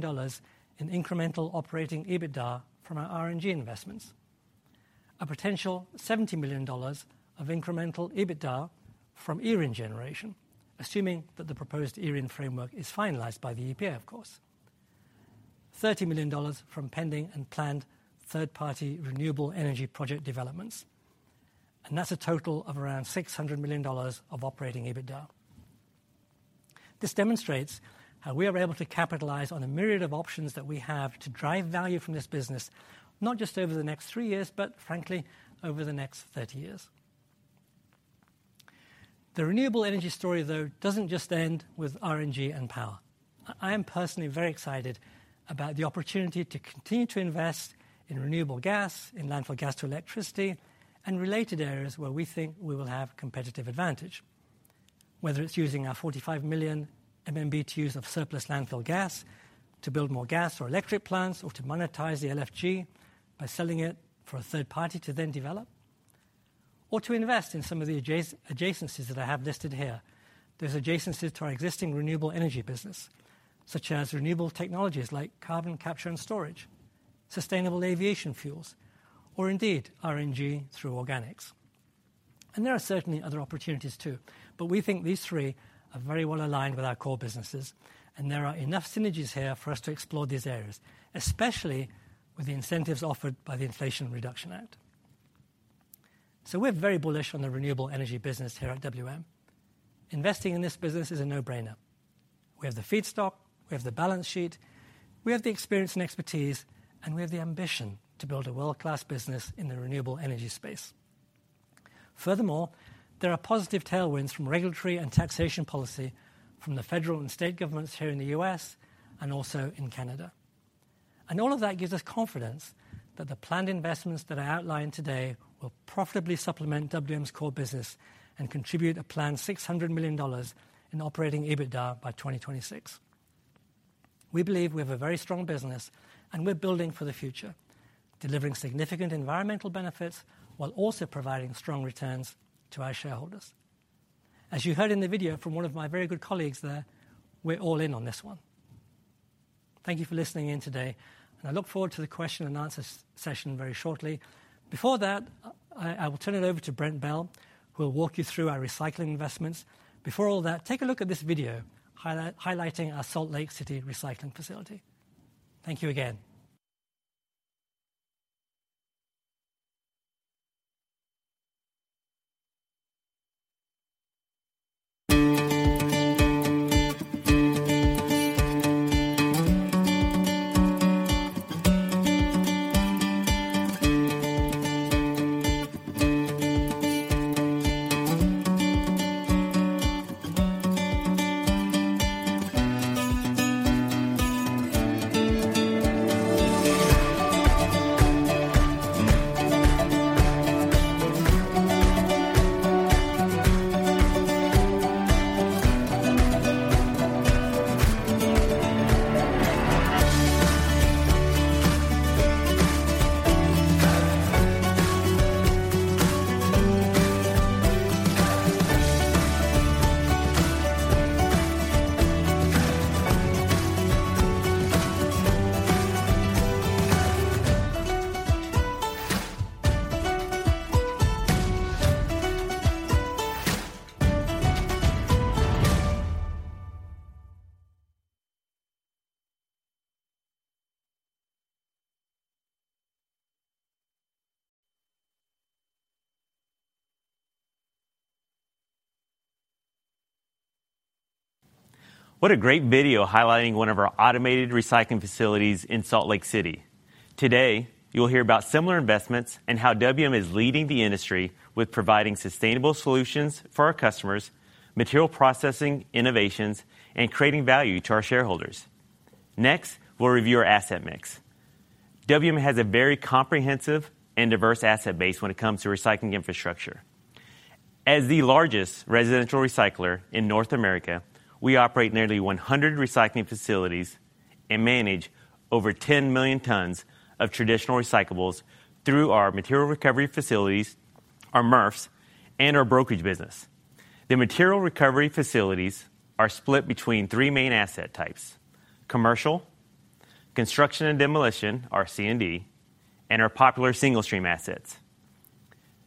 in incremental operating EBITDA from our RNG investments. A potential $70 million of incremental EBITDA from ERIN generation, assuming that the proposed ERIN framework is finalized by the EPA, of course. $30 million from pending and planned third-party renewable energy project developments. That's a total of around $600 million of operating EBITDA. This demonstrates how we are able to capitalize on the myriad of options that we have to drive value from this business, not just over the next three years, but frankly, over the next 30 years. The renewable energy story, though, doesn't just end with RNG and power. I am personally very excited about the opportunity to continue to invest in renewable gas, in landfill gas to electricity, and related areas where we think we will have competitive advantage. Whether it's using our 45 million MMBtu of surplus landfill gas to build more gas or electric plants or to monetize the LFG by selling it for a third party to then develop or to invest in some of the adjacencies that I have listed here. There's adjacencies to our existing renewable energy business, such as renewable technologies like carbon capture and storage, sustainable aviation fuels, or indeed RNG through organics. There are certainly other opportunities too. We think these three are very well aligned with our core businesses. There are enough synergies here for us to explore these areas, especially with the incentives offered by the Inflation Reduction Act. We're very bullish on the renewable energy business here at WM. Investing in this business is a no-brainer. We have the feedstock, we have the balance sheet, we have the experience and expertise, and we have the ambition to build a world-class business in the renewable energy space. Furthermore, there are positive tailwinds from regulatory and taxation policy from the federal and state governments here in the U.S. and also in Canada. All of that gives us confidence that the planned investments that I outlined today will profitably supplement WM's core business and contribute a planned $600 million in operating EBITDA by 2026. We believe we have a very strong business, and we're building for the future, delivering significant environmental benefits while also providing strong returns to our shareholders. As you heard in the video from one of my very good colleagues there, we're all in on this one. Thank you for listening in today. I look forward to the question and answer session very shortly. Before that, I will turn it over to Brent Bell, who will walk you through our recycling investments. Before all that, take a look at this video highlighting our Salt Lake City recycling facility. Thank you again. What a great video highlighting one of our automated recycling facilities in Salt Lake City. Today, you'll hear about similar investments and how WM is leading the industry with providing sustainable solutions for our customers, material processing innovations, and creating value to our shareholders. We'll review our asset mix. WM has a very comprehensive and diverse asset base when it comes to recycling infrastructure. As the largest residential recycler in North America, we operate nearly 100 recycling facilities and manage over 10 million tons of traditional recyclables through our material recovery facilities, our MRFs, and our brokerage business. The material recovery facilities are split between 3 main asset types: commercial, construction and demolition, our C&D, and our popular single-stream assets.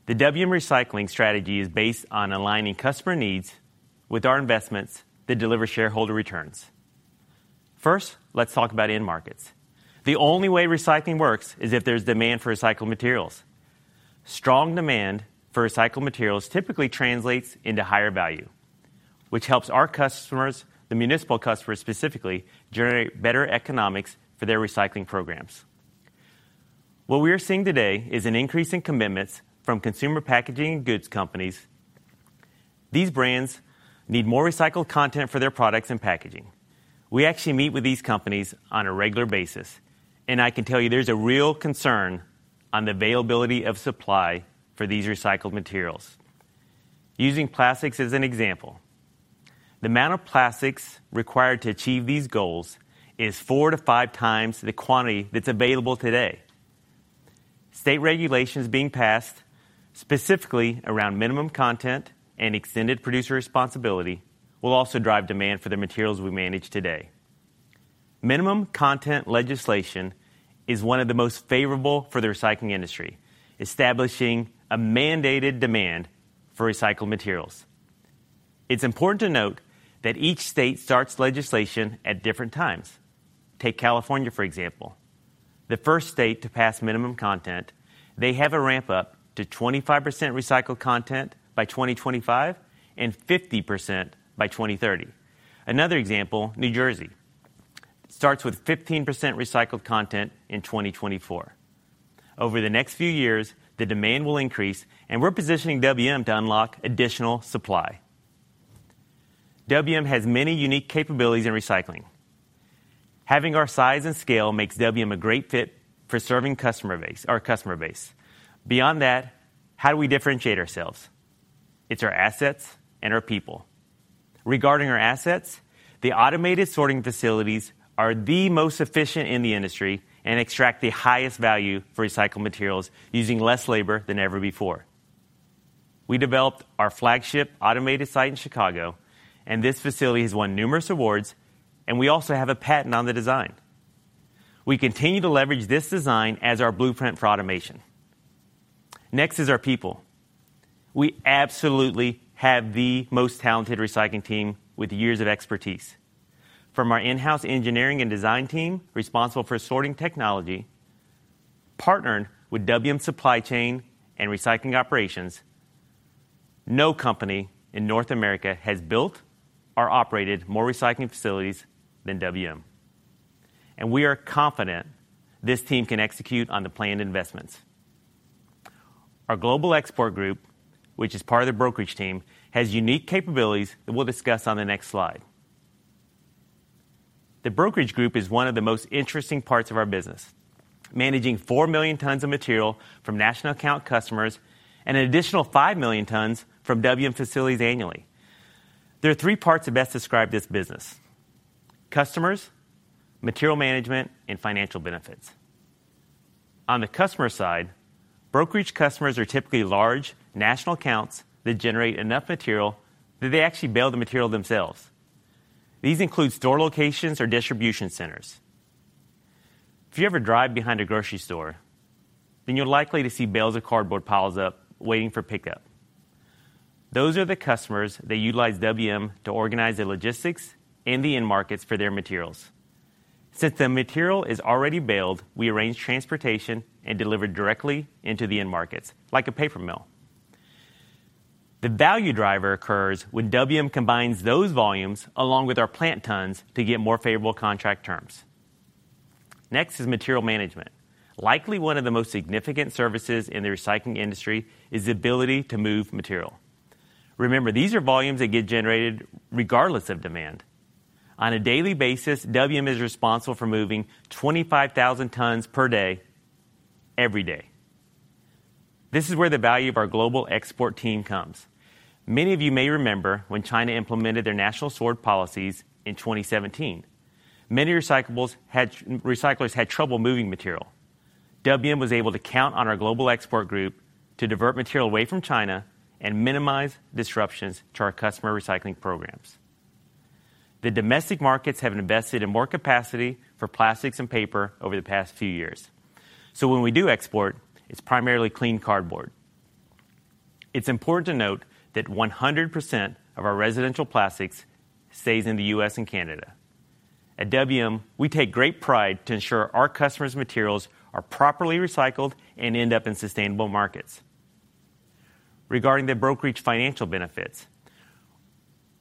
The WM recycling strategy is based on aligning customer needs with our investments that deliver shareholder returns. Let's talk about end markets. The only way recycling works is if there's demand for recycled materials. Strong demand for recycled materials typically translates into higher value, which helps our customers, the municipal customers specifically, generate better economics for their recycling programs. What we are seeing today is an increase in commitments from consumer packaging and goods companies. These brands need more recycled content for their products and packaging. We actually meet with these companies on a regular basis, and I can tell you there's a real concern on the availability of supply for these recycled materials. Using plastics as an example, the amount of plastics required to achieve these goals is 4 to 5 times the quantity that's available today. State regulations being passed specifically around minimum content and extended producer responsibility will also drive demand for the materials we manage today. Minimum content legislation is one of the most favorable for the recycling industry, establishing a mandated demand for recycled materials. It's important to note that each state starts legislation at different times. Take California, for example. The first state to pass minimum content. They have a ramp up to 25% recycled content by 2025 and 50% by 2030. Another example, New Jersey. Starts with 15% recycled content in 2024. Over the next few years, the demand will increase, and we're positioning WM to unlock additional supply. WM has many unique capabilities in recycling. Having our size and scale makes WM a great fit for serving our customer base. Beyond that, how do we differentiate ourselves? It's our assets and our people. Regarding our assets, the automated sorting facilities are the most efficient in the industry and extract the highest value for recycled materials using less labor than ever before. We developed our flagship automated site in Chicago. This facility has won numerous awards, and we also have a patent on the design. We continue to leverage this design as our blueprint for automation. Next is our people. We absolutely have the most talented recycling team with years of expertise. From our in-house engineering and design team responsible for sorting technology, partnered with WM supply chain and recycling operations, no company in North America has built or operated more recycling facilities than WM. We are confident this team can execute on the planned investments. Our global export group, which is part of the brokerage team, has unique capabilities that we'll discuss on the next slide. The brokerage group is one of the most interesting parts of our business. Managing 4 million tons of material from National Account customers and an additional 5 million tons from WM facilities annually. There are 3 parts that best describe this business: customers, material management, and financial benefits. On the customer side, brokerage customers are typically large National Accounts that generate enough material that they actually bail the material themselves. These include store locations or distribution centers. If you ever drive behind a grocery store, you're likely to see bales of cardboard piles up waiting for pickup. Those are the customers that utilize WM to organize the logistics and the end markets for their materials. Since the material is already baled, we arrange transportation and deliver directly into the end markets, like a paper mill. The value driver occurs when WM combines those volumes along with our plant tons to get more favorable contract terms. Next is material management. Likely one of the most significant services in the recycling industry is the ability to move material. Remember, these are volumes that get generated regardless of demand. On a daily basis, WM is responsible for moving 25,000 tons per day every day. This is where the value of our global export team comes. Many of you may remember when China implemented their National Sword policies in 2017. Many recyclers had trouble moving material. WM was able to count on our global export group to divert material away from China and minimize disruptions to our customer recycling programs. The domestic markets have invested in more capacity for plastics and paper over the past few years. When we do export, it's primarily clean cardboard. It's important to note that 100% of our residential plastics stays in the U.S. and Canada. At WM, we take great pride to ensure our customers' materials are properly recycled and end up in sustainable markets. Regarding the brokerage financial benefits,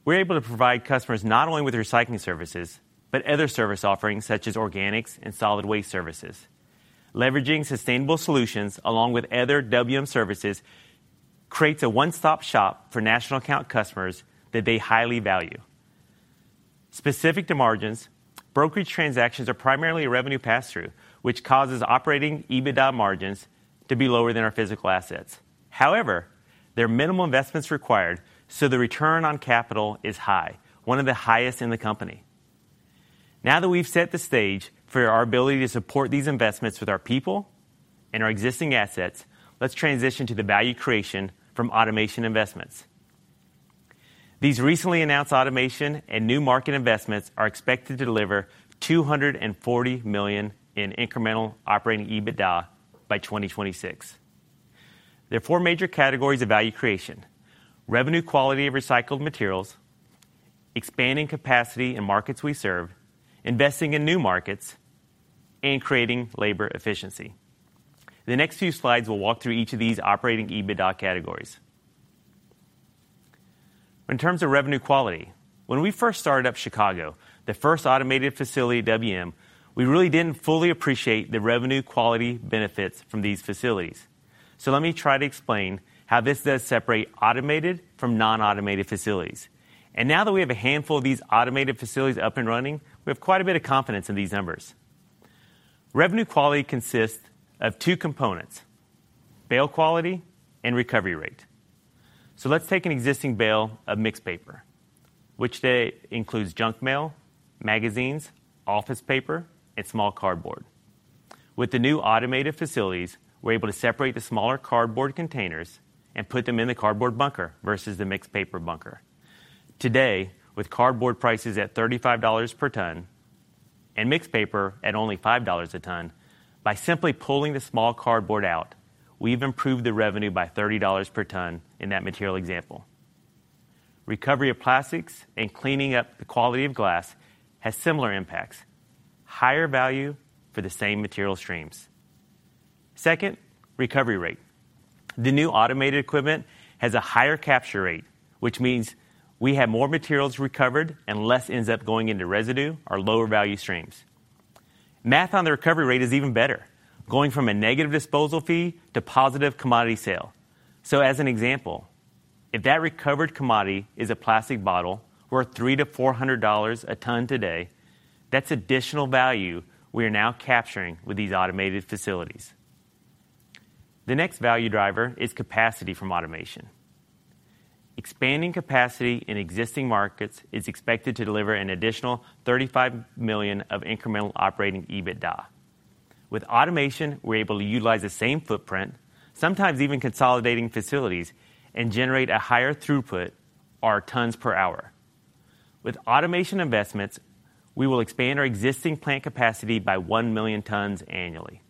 we're able to provide customers not only with recycling services, but other service offerings such as organics and solid waste services. Leveraging sustainable solutions along with other WM services creates a one-stop shop for national account customers that they highly value. Specific to margins, brokerage transactions are primarily a revenue pass-through, which causes operating EBITDA margins to be lower than our physical assets. However, there are minimal investments required, so the return on capital is high, one of the highest in the company. Now that we've set the stage for our ability to support these investments with our people and our existing assets, let's transition to the value creation from automation investments. These recently announced automation and new market investments are expected to deliver $240 million in incremental operating EBITDA by 2026. There are four major categories of value creation: revenue quality of recycled materials, expanding capacity in markets we serve, investing in new markets, and creating labor efficiency. The next few slides will walk through each of these operating EBITDA categories. In terms of revenue quality. When we first started up Chicago, the first automated facility at WM, we really didn't fully appreciate the revenue quality benefits from these facilities. Let me try to explain how this does separate automated from non-automated facilities. Now that we have a handful of these automated facilities up and running, we have quite a bit of confidence in these numbers. Revenue quality consists of two components: bale quality and recovery rate. Let's take an existing bale of mixed paper, which today includes junk mail, magazines, office paper, and small cardboard. With the new automated facilities, we're able to separate the smaller cardboard containers and put them in the cardboard bunker versus the mixed paper bunker. Today, with cardboard prices at $35 per ton and mixed paper at only $5 a ton, by simply pulling the small cardboard out, we've improved the revenue by $30 per ton in that material example. Recovery of plastics and cleaning up the quality of glass has similar impacts, higher value for the same material streams. Second, recovery rate. The new automated equipment has a higher capture rate, which means we have more materials recovered and less ends up going into residue or lower value streams. Math on the recovery rate is even better. Going from a negative disposal fee to positive commodity sale. As an example, if that recovered commodity is a plastic bottle worth $300-$400 a ton today, that's additional value we are now capturing with these automated facilities. The next value driver is capacity from automation. Expanding capacity in existing markets is expected to deliver an additional $35 million of incremental operating EBITDA. With automation, we're able to utilize the same footprint, sometimes even consolidating facilities, and generate a higher throughput or tons per hour. With automation investments, we will expand our existing plant capacity by 1 million tons annually.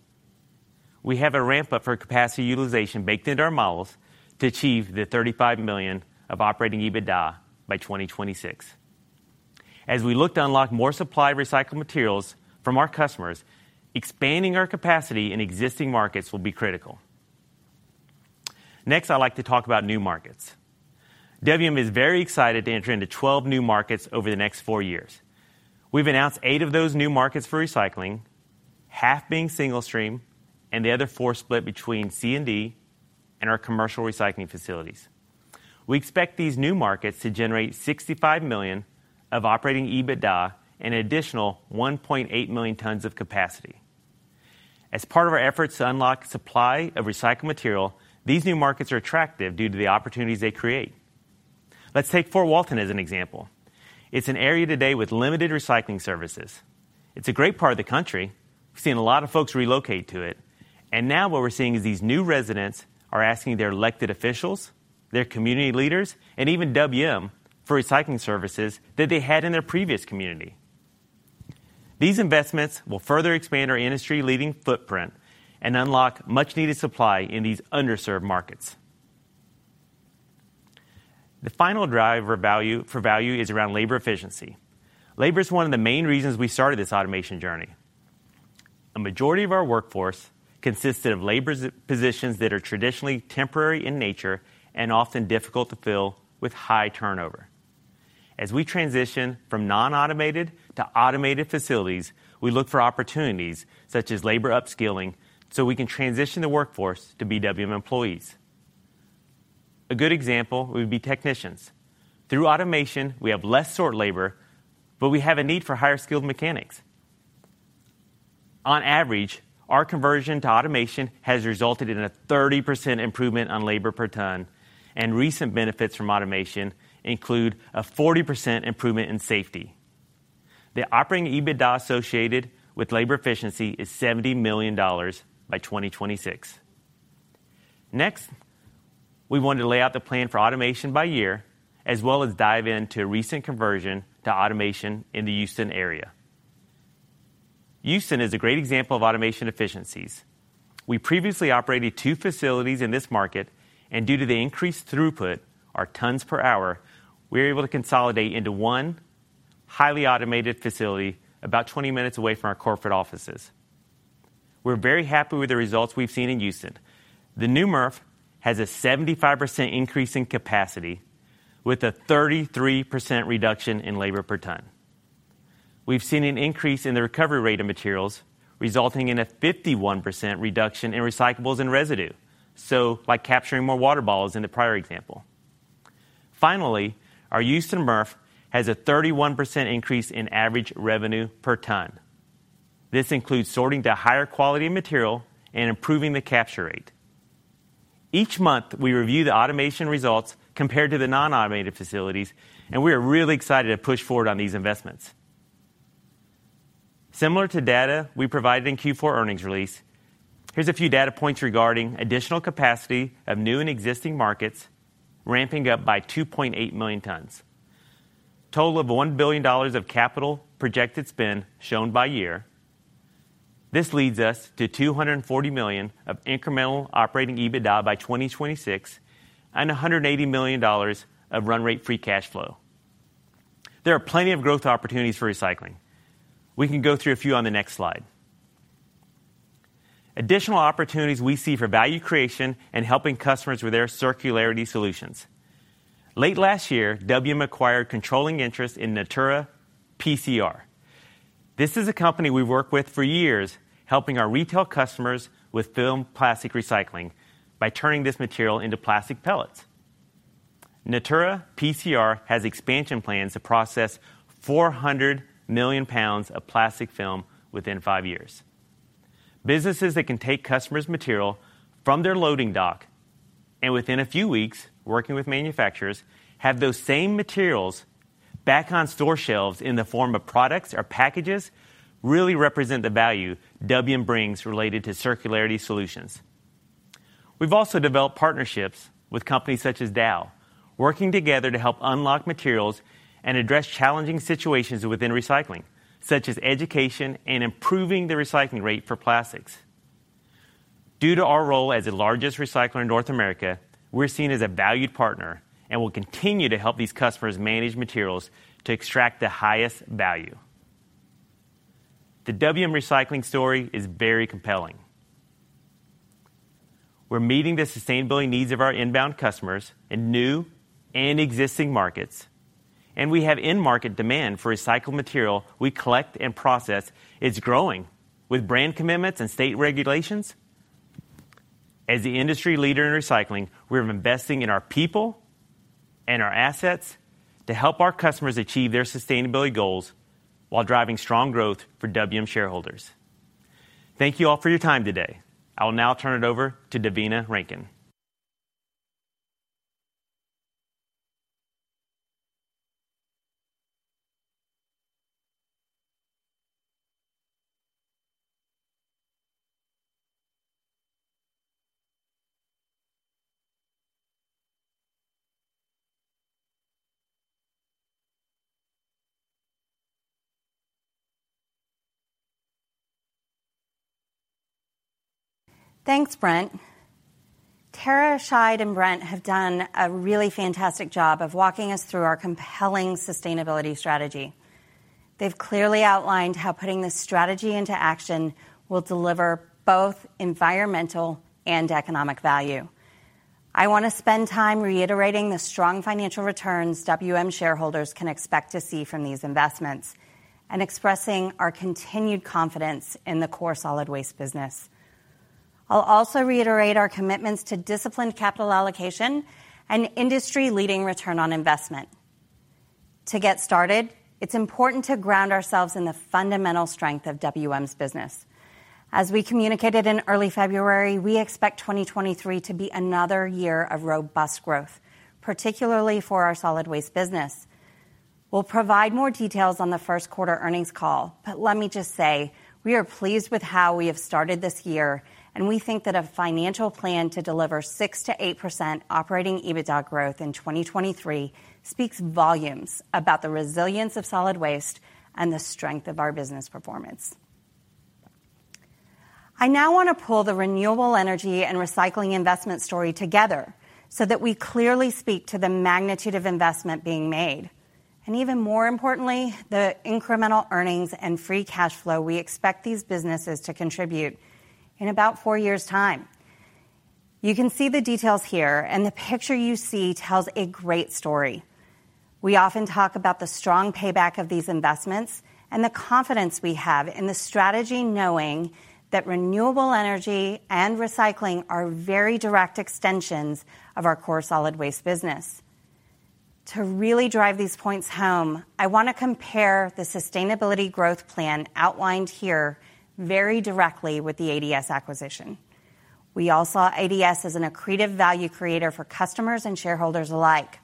We have a ramp-up for capacity utilization baked into our models to achieve the $35 million of operating EBITDA by 2026. As we look to unlock more supply of recycled materials from our customers, expanding our capacity in existing markets will be critical. I'd like to talk about new markets. WM is very excited to enter into 12 new markets over the next four years. We've announced eight of those new markets for recycling, half being single-stream, and the other four split between C&D and our commercial recycling facilities. We expect these new markets to generate $65 million of operating EBITDA and an additional 1.8 million tons of capacity. As part of our efforts to unlock supply of recycled material, these new markets are attractive due to the opportunities they create. Let's take Fort Walton as an example. It's an area today with limited recycling services. It's a great part of the country. We've seen a lot of folks relocate to it. Now what we're seeing is these new residents are asking their elected officials, their community leaders, and even WM for recycling services that they had in their previous community. These investments will further expand our industry-leading footprint and unlock much-needed supply in these underserved markets. The final driver for value is around labor efficiency. Labor is one of the main reasons we started this automation journey. A majority of our workforce consisted of labor positions that are traditionally temporary in nature and often difficult to fill with high turnover. As we transition from non-automated to automated facilities, we look for opportunities such as labor upskilling, so we can transition the workforce to be WM employees. A good example would be technicians. Through automation, we have less sort labor, we have a need for higher-skilled mechanics. On average, our conversion to automation has resulted in a 30% improvement on labor per ton, recent benefits from automation include a 40% improvement in safety. The operating EBITDA associated with labor efficiency is $70 million by 2026. We want to lay out the plan for automation by year, as well as dive into recent conversion to automation in the Houston area. Houston is a great example of automation efficiencies. We previously operated two facilities in this market, due to the increased throughput, or tons per hour, we were able to consolidate into one highly automated facility about 20 minutes away from our corporate offices. We're very happy with the results we've seen in Houston. The new MRF has a 75% increase in capacity with a 33% reduction in labor per ton. We've seen an increase in the recovery rate of materials, resulting in a 51% reduction in recyclables and residue. By capturing more water bottles in the prior example. Finally, our Houston MRF has a 31% increase in average revenue per ton. This includes sorting to higher quality material and improving the capture rate. Each month, we review the automation results compared to the non-automated facilities, and we are really excited to push forward on these investments. Similar to data we provided in Q4 earnings release, here's a few data points regarding additional capacity of new and existing markets ramping up by 2.8 million tons. Total of $1 billion of capital projected spend shown by year. This leads us to $240 million of incremental operating EBITDA by 2026 and $180 million of run rate free cash flow. There are plenty of growth opportunities for recycling. We can go through a few on the next slide. Additional opportunities we see for value creation and helping customers with their circularity solutions. Late last year, WM acquired controlling interest in Natura PCR. This is a company we've worked with for years, helping our retail customers with film plastic recycling by turning this material into plastic pellets. Natura PCR has expansion plans to process 400 million pounds of plastic film within five years. Businesses that can take customers' material from their loading dock and within a few weeks, working with manufacturers, have those same materials back on store shelves in the form of products or packages really represent the value WM brings related to circularity solutions. We've also developed partnerships with companies such as Dow, working together to help unlock materials and address challenging situations within recycling, such as education and improving the recycling rate for plastics. Due to our role as the largest recycler in North America, we're seen as a valued partner and will continue to help these customers manage materials to extract the highest value. The WM recycling story is very compelling. We're meeting the sustainability needs of our inbound customers in new and existing markets, and we have in-market demand for recycled material we collect and process is growing with brand commitments and state regulations. As the industry leader in recycling, we're investing in our people and our assets to help our customers achieve their sustainability goals while driving strong growth for WM shareholders. Thank you all for your time today. I will now turn it over to Devina Rankin. Thanks, Brent. Tara, Shahid, and Brent have done a really fantastic job of walking us through our compelling sustainability strategy. They've clearly outlined how putting this strategy into action will deliver both environmental and economic value. I want to spend time reiterating the strong financial returns WM shareholders can expect to see from these investments and expressing our continued confidence in the core solid waste business. I'll also reiterate our commitments to disciplined capital allocation and industry-leading return on investment. To get started, it's important to ground ourselves in the fundamental strength of WM's business. As we communicated in early February, we expect 2023 to be another year of robust growth, particularly for our solid waste business. We'll provide more details on the first quarter earnings call, but let me just say, we are pleased with how we have started this year, and we think that a financial plan to deliver 6%-8% operating EBITDA growth in 2023 speaks volumes about the resilience of solid waste and the strength of our business performance. I now want to pull the renewable energy and recycling investment story together so that we clearly speak to the magnitude of investment being made, and even more importantly, the incremental earnings and free cash flow we expect these businesses to contribute in about 4 years' time. You can see the details here, and the picture you see tells a great story. We often talk about the strong payback of these investments and the confidence we have in the strategy knowing that renewable energy and recycling are very direct extensions of our core solid waste business. To really drive these points home, I want to compare the sustainability growth plan outlined here very directly with the ADS acquisition. We all saw ADS as an accretive value creator for customers and shareholders alike.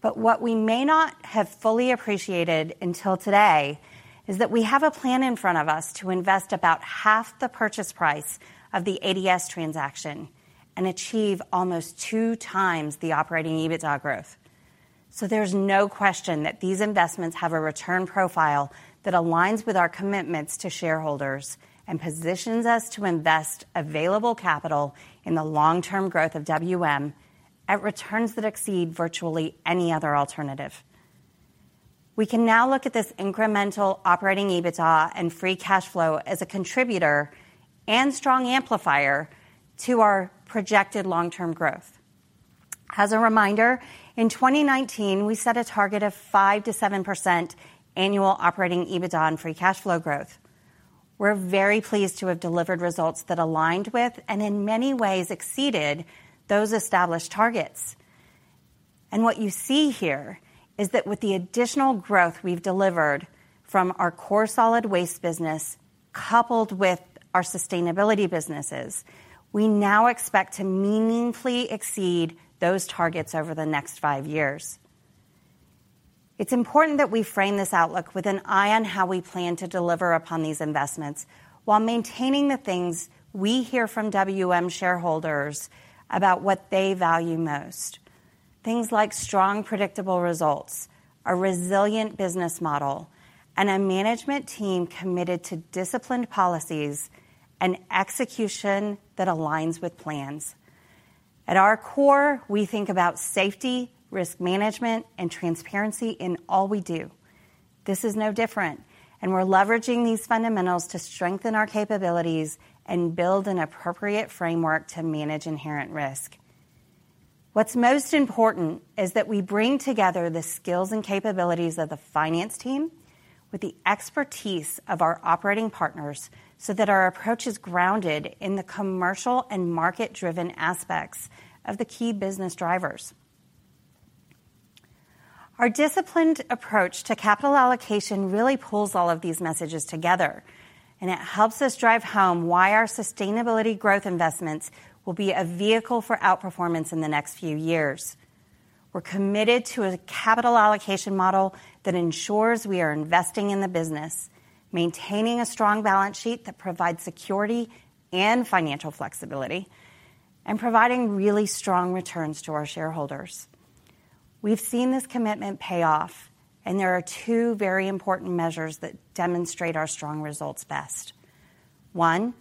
What we may not have fully appreciated until today is that we have a plan in front of us to invest about half the purchase price of the ADS transaction and achieve almost two times the operating EBITDA growth. There's no question that these investments have a return profile that aligns with our commitments to shareholders and positions us to invest available capital in the long-term growth of WM at returns that exceed virtually any other alternative. We can now look at this incremental operating EBITDA and free cash flow as a contributor and strong amplifier to our projected long-term growth. As a reminder, in 2019, we set a target of 5%-7% annual operating EBITDA and free cash flow growth. We're very pleased to have delivered results that aligned with and in many ways exceeded those established targets. What you see here is that with the additional growth we've delivered from our core solid waste business coupled with our sustainability businesses, we now expect to meaningfully exceed those targets over the next five years. It's important that we frame this outlook with an eye on how we plan to deliver upon these investments while maintaining the things we hear from WM shareholders about what they value most. Things like strong, predictable results, a resilient business model, and a management team committed to disciplined policies and execution that aligns with plans. At our core, we think about safety, risk management, and transparency in all we do. This is no different. We're leveraging these fundamentals to strengthen our capabilities and build an appropriate framework to manage inherent risk. What's most important is that we bring together the skills and capabilities of the finance team with the expertise of our operating partners, that our approach is grounded in the commercial and market-driven aspects of the key business drivers. Our disciplined approach to capital allocation really pulls all of these messages together. It helps us drive home why our sustainability growth investments will be a vehicle for outperformance in the next few years. We're committed to a capital allocation model that ensures we are investing in the business, maintaining a strong balance sheet that provides security and financial flexibility, and providing really strong returns to our shareholders. We've seen this commitment pay off, and there are two very important measures that demonstrate our strong results best. One,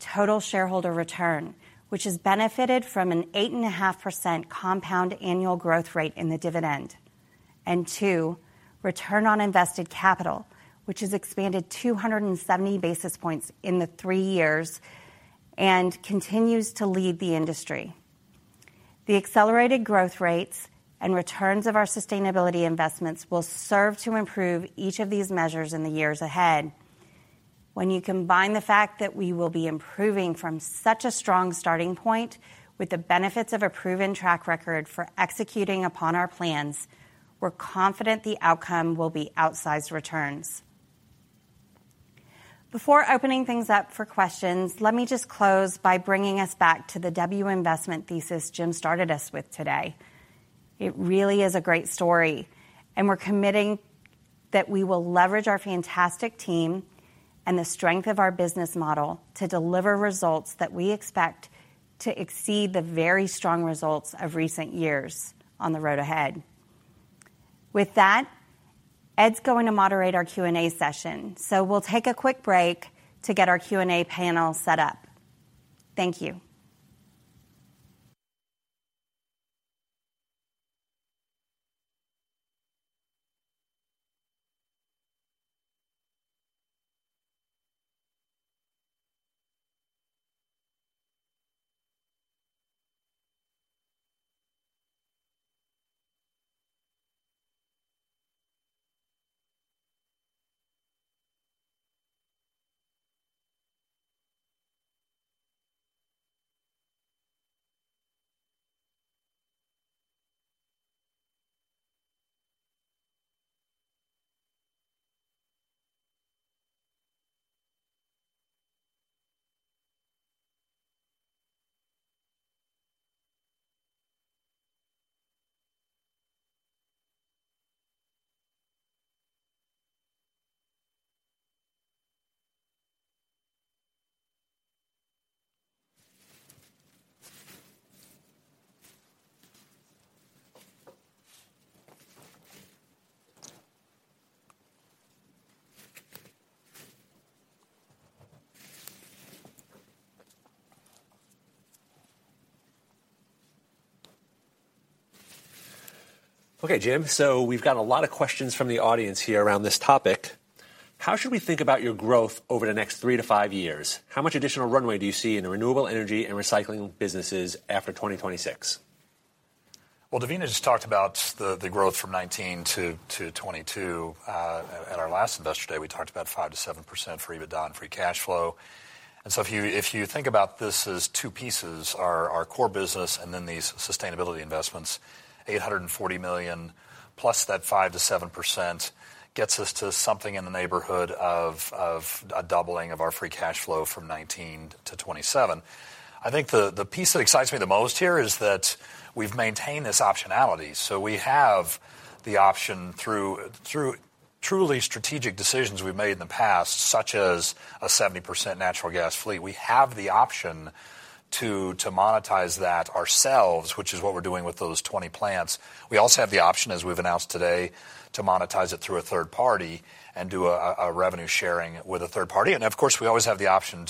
total shareholder return, which has benefited from an 8.5% compound annual growth rate in the dividend. Two, return on invested capital, which has expanded 270 basis points in the three years and continues to lead the industry. The accelerated growth rates and returns of our sustainability investments will serve to improve each of these measures in the years ahead. When you combine the fact that we will be improving from such a strong starting point with the benefits of a proven track record for executing upon our plans, we're confident the outcome will be outsized returns. Before opening things up for questions, let me just close by bringing us back to the W investment thesis Jim started us with today. It really is a great story. We're committing that we will leverage our fantastic team and the strength of our business model to deliver results that we expect to exceed the very strong results of recent years on the road ahead. With that, Ed's going to moderate our Q&A session. We'll take a quick break to get our Q&A panel set up. Thank you. Jim. We've got a lot of questions from the audience here around this topic. How should we think about your growth over the next 3-5 years? How much additional runway do you see in the renewable energy and recycling businesses after 2026? Well, Davina just talked about the growth from 19 to 22. At our last Investor Day, we talked about 5%-7% for EBITDA and free cash flow. If you think about this as two pieces, our core business and then these sustainability investments, $840 million plus that 5%-7% gets us to something in the neighborhood of a doubling of our free cash flow from 19 to 27. I think the piece that excites me the most here is that we've maintained this optionality. We have the option through truly strategic decisions we've made in the past, such as a 70% natural gas fleet. We have the option to monetize that ourselves, which is what we're doing with those 20 plants. We also have the option, as we've announced today, to monetize it through a third party and do a revenue sharing with a third party. Of course, we always have the option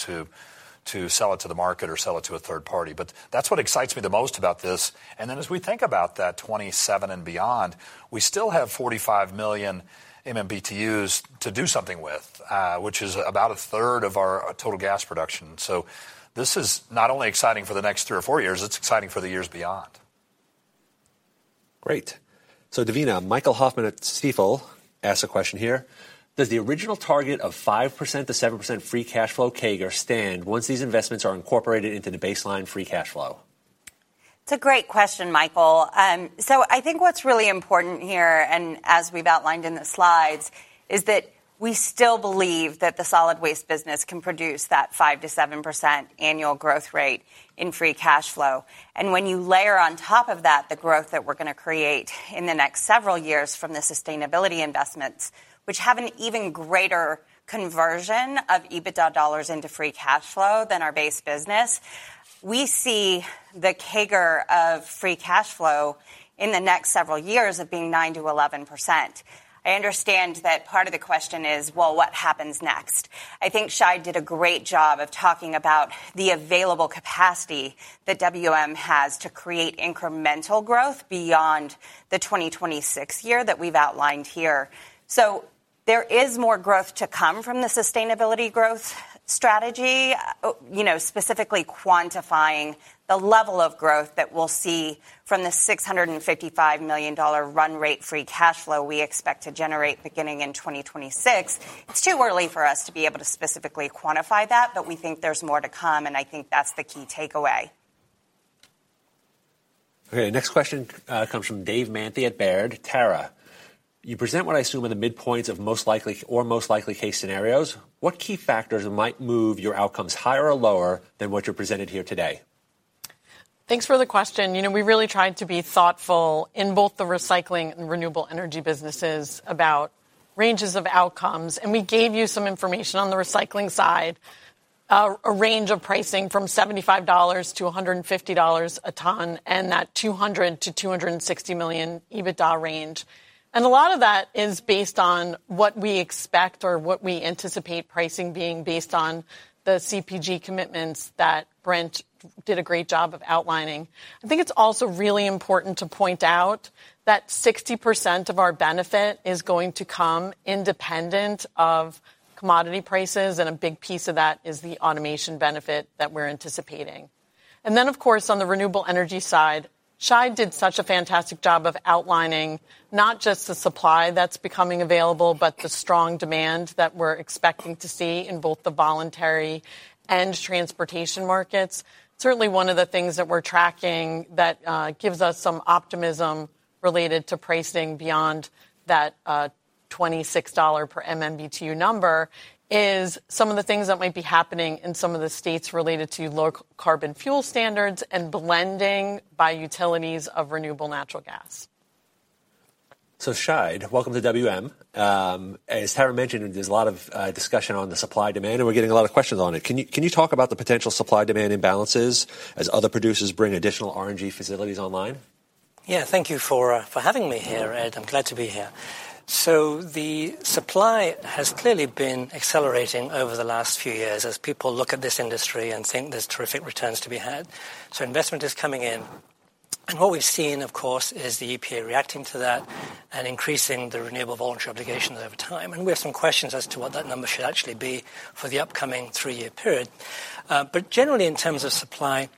to sell it to the market or sell it to a third party. That's what excites me the most about this. As we think about that 2027 and beyond, we still have 45 million MMBtus to do something with, which is about a third of our total gas production. This is not only exciting for the next three or four years, it's exciting for the years beyond. Great. Davina, Michael Hoffman at Stifel asks a question here. Does the original target of 5% to 7% free cash flow CAGR stand once these investments are incorporated into the baseline free cash flow? It's a great question, Michael. I think what's really important here, and as we've outlined in the slides, is that we still believe that the solid waste business can produce that 5%-7% annual growth rate in free cash flow. When you layer on top of that the growth that we're gonna create in the next several years from the sustainability investments, which have an even greater conversion of EBITDA dollars into free cash flow than our base business, we see the CAGR of free cash flow in the next several years of being 9%-11%. I understand that part of the question is, well, what happens next? I think Shahid did a great job of talking about the available capacity that WM has to create incremental growth beyond the 2026 year that we've outlined here. There is more growth to come from the sustainability growth strategy. you know, specifically quantifying the level of growth that we'll see from the $655 million run rate free cash flow we expect to generate beginning in 2026. It's too early for us to be able to specifically quantify that, but we think there's more to come, and I think that's the key takeaway. Okay. Next question, comes from Dave Manthey at Baird. Tara, you present what I assume are the midpoints of most likely or most likely case scenarios. What key factors might move your outcomes higher or lower than what you presented here today? Thanks for the question. You know, we really tried to be thoughtful in both the recycling and renewable energy businesses about ranges of outcomes, we gave you some information on the recycling side. A range of pricing from $75 to $150 a ton, that $200 million-$260 million EBITDA range. A lot of that is based on what we expect or what we anticipate pricing being based on the CPG commitments that Brent did a great job of outlining. I think it's also really important to point out that 60% of our benefit is going to come independent of commodity prices, a big piece of that is the automation benefit that we're anticipating. Of course, on the renewable energy side, Shahid did such a fantastic job of outlining not just the supply that's becoming available, but the strong demand that we're expecting to see in both the voluntary and transportation markets. Certainly, one of the things that we're tracking that gives us some optimism related to pricing beyond that $26 per MMBtu number is some of the things that might be happening in some of the states related to Low-Carbon Fuel Standards and blending by utilities of renewable natural gas. Shahid, welcome to WM. As Tara mentioned, there's a lot of discussion on the supply/demand, and we're getting a lot of questions on it. Can you talk about the potential supply/demand imbalances as other producers bring additional RNG facilities online? Yeah. Thank you for having me here, Ed. I'm glad to be here. The supply has clearly been accelerating over the last few years as people look at this industry and think there's terrific returns to be had. Investment is coming in. What we've seen, of course, is the EPA reacting to that and increasing the renewable volume obligations over time. We have some questions as to what that number should actually be for the upcoming 3-year period. Generally, in terms of supply,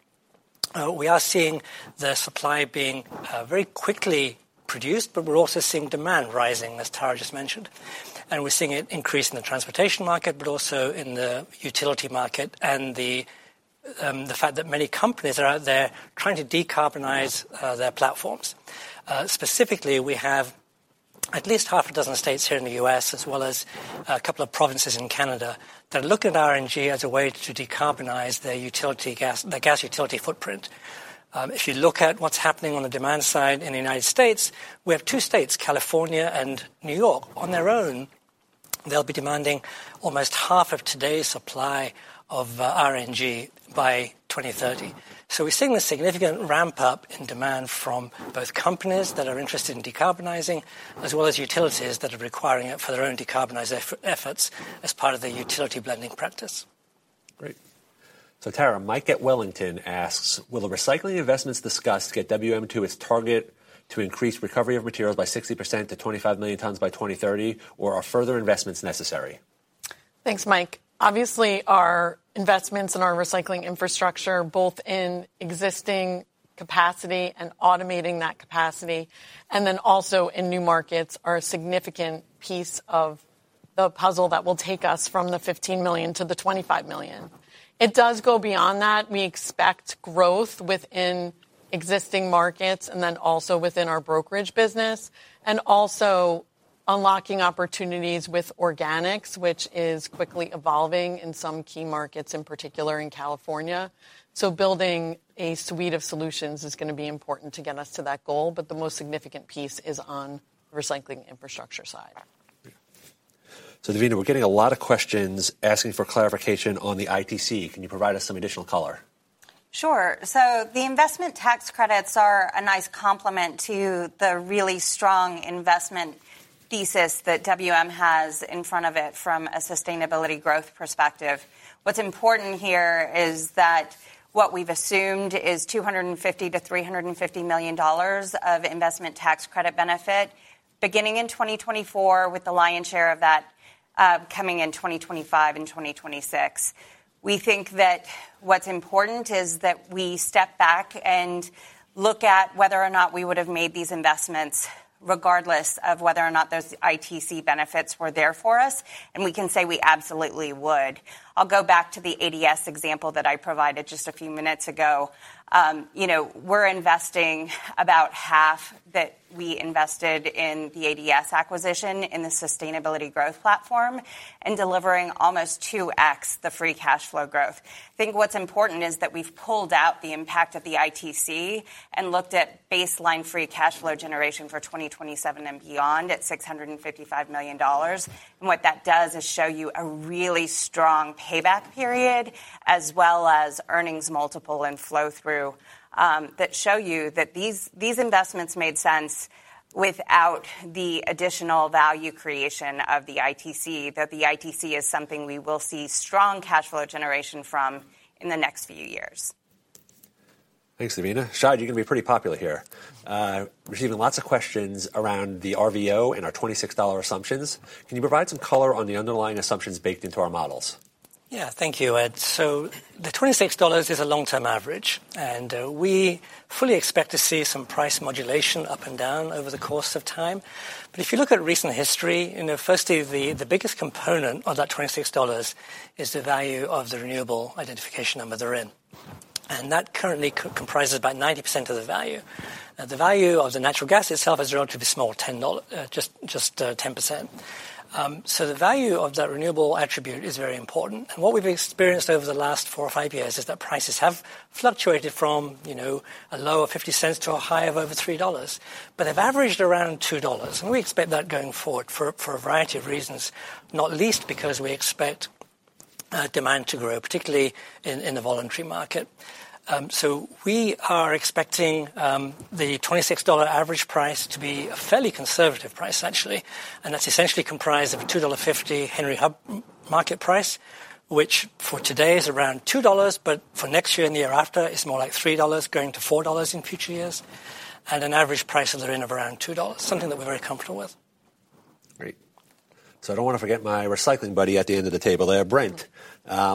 we are seeing the supply being very quickly produced, but we're also seeing demand rising, as Tara just mentioned. We're seeing it increase in the transportation market, but also in the utility market and the fact that many companies are out there trying to decarbonize their platforms. Specifically, we have at least 6 states here in the U.S., as well as a couple of provinces in Canada, that look at RNG as a way to decarbonize their gas utility footprint. If you look at what's happening on the demand side in the United States, we have two states, California and New York. On their own, they'll be demanding almost half of today's supply of RNG by 2030. We're seeing a significant ramp-up in demand from both companies that are interested in decarbonizing, as well as utilities that are requiring it for their own decarbonization efforts as part of their utility blending practice. Great. Tara, Mike at Wellington asks, "Will the recycling investments discussed get WM to its target to increase recovery of materials by 60% to 25 million tons by 2030, or are further investments necessary? Thanks, Mike. Obviously, our investments in our recycling infrastructure, both in existing capacity and automating that capacity, and then also in new markets, are a significant piece of the puzzle that will take us from the 15 million to the 25 million. It does go beyond that. We expect growth within existing markets and then also within our brokerage business, and also unlocking opportunities with organics, which is quickly evolving in some key markets, in particular in California. Building a suite of solutions is gonna be important to get us to that goal, but the most significant piece is on recycling infrastructure side. Davina, we're getting a lot of questions asking for clarification on the ITC. Can you provide us some additional color? Sure. The investment tax credits are a nice complement to the really strong investment thesis that WM has in front of it from a sustainability growth perspective. What's important here is that what we've assumed is $250 million-$350 million of investment tax credit benefit beginning in 2024, with the lion's share of that coming in 2025 and 2026. We think that what's important is that we step back and look at whether or not we would have made these investments regardless of whether or not those ITC benefits were there for us, and we can say we absolutely would. I'll go back to the ADS example that I provided just a few minutes ago. You know, we're investing about half that we invested in the ADS acquisition in the sustainability growth platform and delivering almost 2x the free cash flow growth. I think what's important is that we've pulled out the impact of the ITC and looked at baseline free cash flow generation for 2027 and beyond at $655 million. What that does is show you a really strong payback period as well as earnings multiple and flow-through that show you that these investments made sense without the additional value creation of the ITC, that the ITC is something we will see strong cash flow generation from in the next few years. Thanks, Devina. Shahid, you're gonna be pretty popular here. Receiving lots of questions around the RVO and our $26 assumptions. Can you provide some color on the underlying assumptions baked into our models? Yeah. Thank you, Ed. The $26 is a long-term average, and we fully expect to see some price modulation up and down over the course of time. If you look at recent history, you know, firstly, the biggest component of that $26 is the value of the renewable identification number RIN. That currently co-comprises about 90% of the value. The value of the natural gas itself is relatively small, 10%. The value of that renewable attribute is very important. What we've experienced over the last 4 or 5 years is that prices have fluctuated from, you know, a low of $0.50 to a high of over $3. They've averaged around $2, and we expect that going forward for a variety of reasons, not least because we expect demand to grow, particularly in the voluntary market. We are expecting the $26 average price to be a fairly conservative price, actually. That's essentially comprised of a $2.50 Henry Hub market price, which for today is around $2, but for next year and the year after, it's more like $3 going to $4 in future years. An average price of the RIN of around $2, something that we're very comfortable with. Great. I don't wanna forget my recycling buddy at the end of the table there, Brent.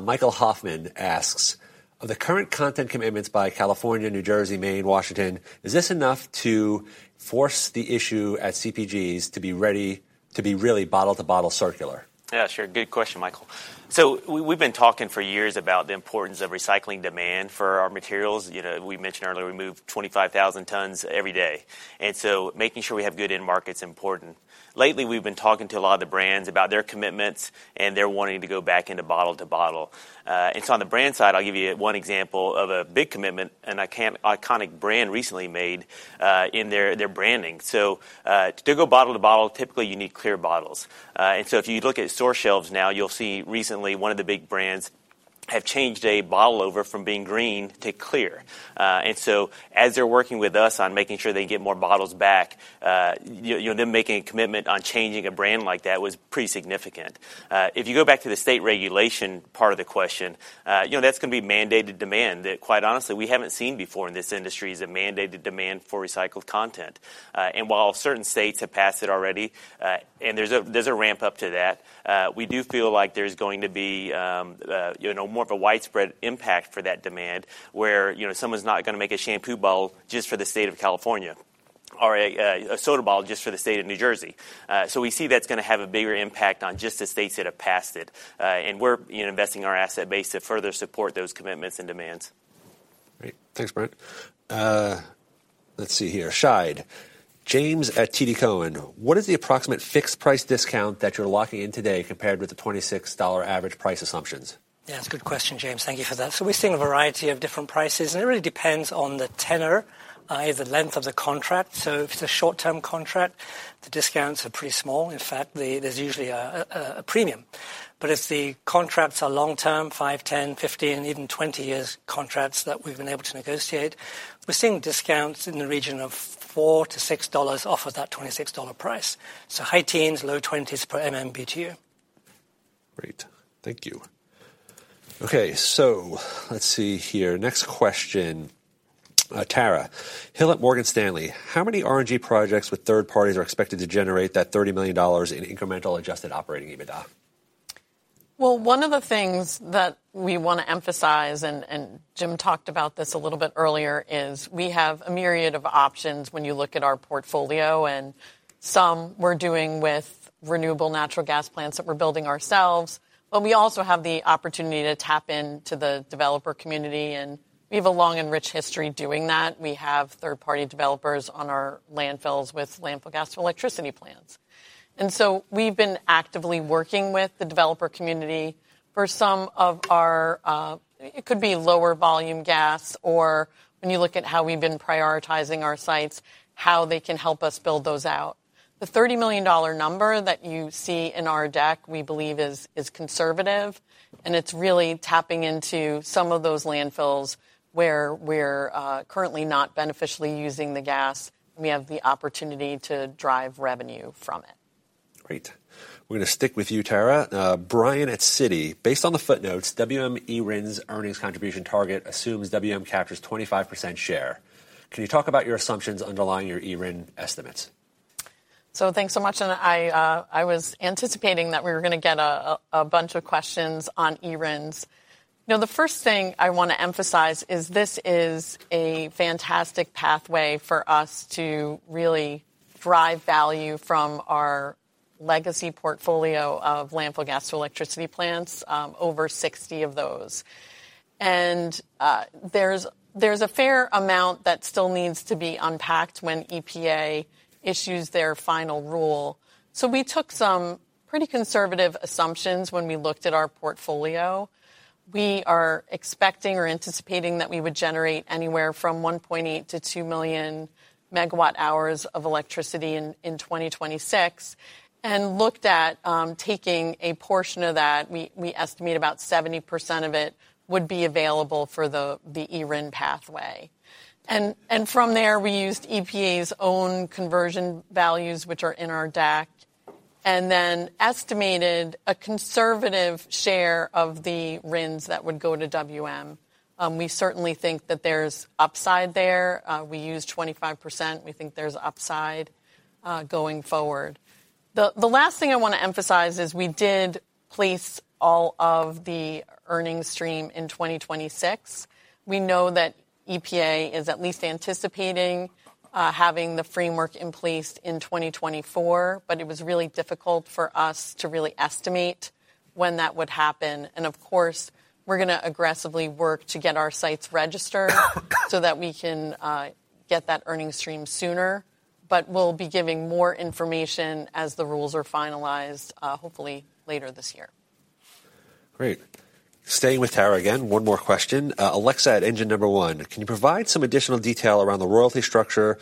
Michael Hoffman asks: Of the current content commitments by California, New Jersey, Maine, Washington, is this enough to force the issue at CPGs to be ready to be really bottle-to-bottle circular? Yeah, sure. Good question, Michael. We've been talking for years about the importance of recycling demand for our materials. You know, we mentioned earlier we move 25,000 tons every day, making sure we have good end market's important. Lately, we've been talking to a lot of the brands about their commitments, they're wanting to go back into bottle to bottle. On the brand side, I'll give you one example of a big commitment an iconic brand recently made in their branding. To go bottle to bottle, typically you need clear bottles. If you look at store shelves now, you'll see recently one of the big brands have changed a bottle over from being green to clear. As they're working with us on making sure they get more bottles back, you know, them making a commitment on changing a brand like that was pretty significant. If you go back to the state regulation part of the question, you know, that's gonna be mandated demand that quite honestly, we haven't seen before in this industry is a mandated demand for recycled content. While certain states have passed it already, there's a ramp up to that, we do feel like there's going to be, you know, more of a widespread impact for that demand, where, you know, someone's not gonna make a shampoo bottle just for the state of California or a soda bottle just for the state of New Jersey. We see that's gonna have a bigger impact on just the states that have passed it. We're, you know, investing our asset base to further support those commitments and demands. Great. Thanks, Brent. Let's see here. Shahid, James at TD Cowen, what is the approximate fixed price discount that you're locking in today compared with the $26 average price assumptions? Yeah, that's a good question, James. Thank you for that. We're seeing a variety of different prices, and it really depends on the tenor, the length of the contract. If it's a short-term contract, the discounts are pretty small. In fact, there's usually a premium. If the contracts are long-term, 5, 10, 15, even 20 years contracts that we've been able to negotiate, we're seeing discounts in the region of $4-$6 off of that $26 price. High teens, low 20s per MMBtu. Great. Thank you. Okay. let's see here. Next question. Tara Hemmer at Morgan Stanley: How many RNG projects with third parties are expected to generate that $30 million in incremental adjusted operating EBITDA? Well, one of the things that we wanna emphasize, Jim talked about this a little bit earlier, is we have a myriad of options when you look at our portfolio. Some we're doing with renewable natural gas plants that we're building ourselves. We also have the opportunity to tap into the developer community. We have a long and rich history doing that. We have third-party developers on our landfills with landfill gas to electricity plants. We've been actively working with the developer community for some of our, it could be lower volume gas or when you look at how we've been prioritizing our sites, how they can help us build those out. The $30 million number that you see in our deck we believe is conservative. It's really tapping into some of those landfills where we're currently not beneficially using the gas, and we have the opportunity to drive revenue from it. Great. We're gonna stick with you, Tara. Brian at Citi, based on the footnotes, WM eRINs' earnings contribution target assumes WM captures 25% share. Can you talk about your assumptions underlying your eRINs estimates? Thanks so much, and I was anticipating that we were gonna get a bunch of questions on eRINs. You know, the first thing I wanna emphasize is this is a fantastic pathway for us to really drive value from our legacy portfolio of landfill gas to electricity plants, over 60 of those. There's a fair amount that still needs to be unpacked when EPA issues their final rule. We took some pretty conservative assumptions when we looked at our portfolio. We are expecting or anticipating that we would generate anywhere from 1.8 million-2 million megawatt-hours of electricity in 2026, and looked at taking a portion of that. We estimate about 70% of it would be available for the eRIN pathway. From there, we used EPA's own conversion values, which are in our deck and then estimated a conservative share of the RINs that would go to WM. We certainly think that there's upside there. We use 25%. We think there's upside going forward. The last thing I wanna emphasize is we did place all of the earnings stream in 2026. We know that EPA is at least anticipating having the framework in place in 2024, but it was really difficult for us to really estimate when that would happen. Of course, we're gonna aggressively work to get our sites registered so that we can, get that earnings stream sooner. We'll be giving more information as the rules are finalized, hopefully later this year. Great. Staying with Tara again, one more question. Alexa at Engine No. 1, can you provide some additional detail around the royalty structure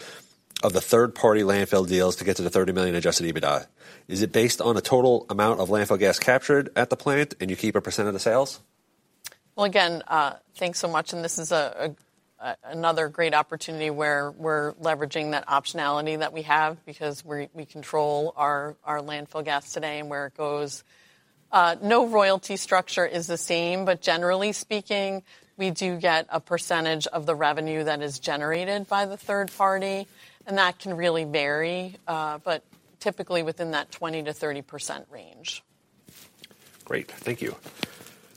of the third-party landfill deals to get to the $30 million adjusted EBITDA? Is it based on the total amount of landfill gas captured at the plant, and you keep a % of the sales? Again, thanks so much, and this is a another great opportunity where we're leveraging that optionality that we have because we control our landfill gas today and where it goes. No royalty structure is the same, but generally speaking, we do get a percentage of the revenue that is generated by the third party, and that can really vary, but typically within that 20%-30% range. Great. Thank you.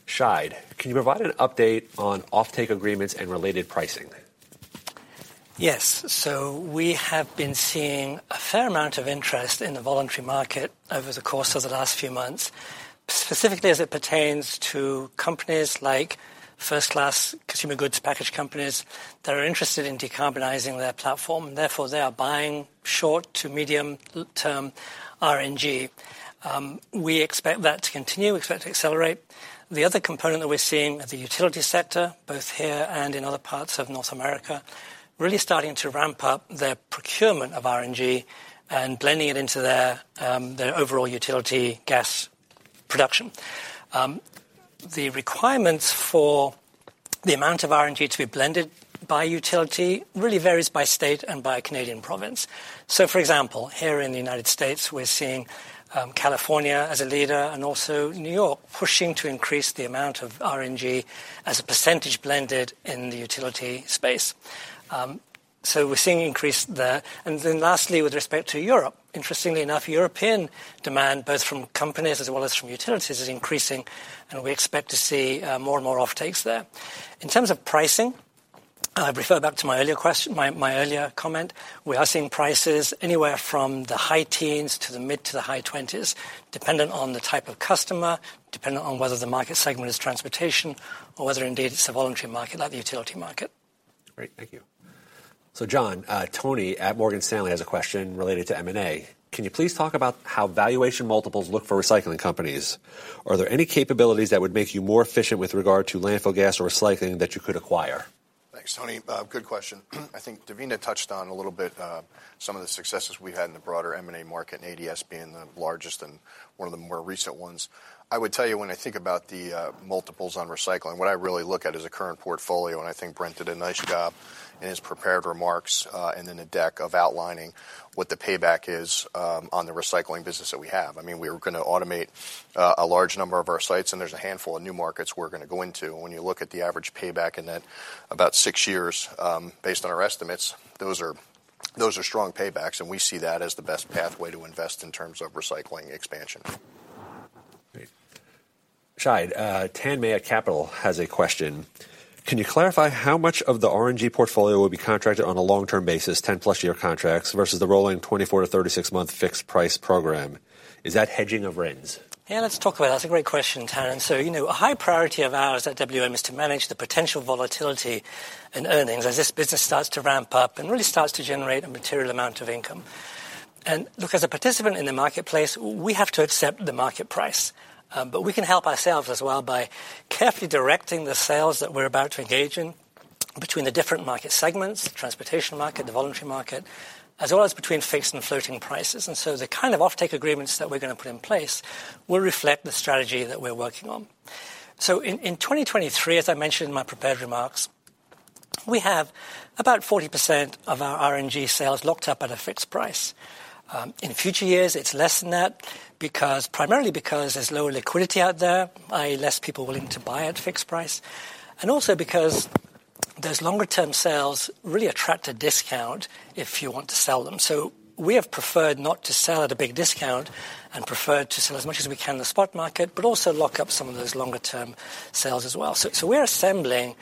Shahid, can you provide an update on offtake agreements and related pricing? We have been seeing a fair amount of interest in the voluntary market over the course of the last few months, specifically as it pertains to companies like first-class consumer goods package companies that are interested in decarbonizing their platform. They are buying short to medium term RNG. We expect that to continue. We expect to accelerate. The other component that we're seeing at the utility sector, both here and in other parts of North America, really starting to ramp up their procurement of RNG and blending it into their overall utility gas production. The requirements for the amount of RNG to be blended by utility really varies by state and by Canadian province. For example, here in the United States, we're seeing California as a leader and also New York pushing to increase the amount of RNG as a percentage blended in the utility space. We're seeing increase there. Lastly, with respect to Europe, interestingly enough, European demand, both from companies as well as from utilities, is increasing, and we expect to see more and more offtakes there. In terms of pricing, I refer back to my earlier comment. We are seeing prices anywhere from the high teens to the mid to the high twenties, dependent on the type of customer, dependent on whether the market segment is transportation or whether indeed it's a voluntary market like the utility market. Great. Thank you. John, Tony at Morgan Stanley has a question related to M&A. Can you please talk about how valuation multiples look for recycling companies? Are there any capabilities that would make you more efficient with regard to landfill gas or recycling that you could acquire? Thanks, Tony. Good question. I think Davina touched on a little bit, some of the successes we've had in the broader M&A market, ADS being the largest and one of the more recent ones. I would tell you when I think about the multiples on recycling, what I really look at is a current portfolio, and I think Brent did a nice job in his prepared remarks, and in the deck of outlining what the payback is on the recycling business that we have. I mean, we're gonna automate a large number of our sites, and there's a handful of new markets we're gonna go into. When you look at the average payback in that about 6 years, based on our estimates, those are strong paybacks. We see that as the best pathway to invest in terms of recycling expansion. Great. Shahid, Tanmaya Capital has a question. Can you clarify how much of the RNG portfolio will be contracted on a long-term basis, 10-plus year contracts, versus the rolling 24-36 month fixed price program? Is that hedging of RINs? Yeah, let's talk about that. That's a great question, Tan. You know, a high priority of ours at WM is to manage the potential volatility in earnings as this business starts to ramp up and really starts to generate a material amount of income. Look, as a participant in the marketplace, we have to accept the market price. We can help ourselves as well by carefully directing the sales that we're about to engage in between the different market segments, the transportation market, the voluntary market, as well as between fixed and floating prices. The kind of offtake agreements that we're gonna put in place will reflect the strategy that we're working on. In, in 2023, as I mentioned in my prepared remarks, we have about 40% of our RNG sales locked up at a fixed price. In future years, it's less than that primarily because there's lower liquidity out there, i.e., less people willing to buy at fixed price, and also because those longer-term sales really attract a discount if you want to sell them. We have preferred not to sell at a big discount and preferred to sell as much as we can in the spot market, but also lock up some of those longer-term sales as well. We're assembling,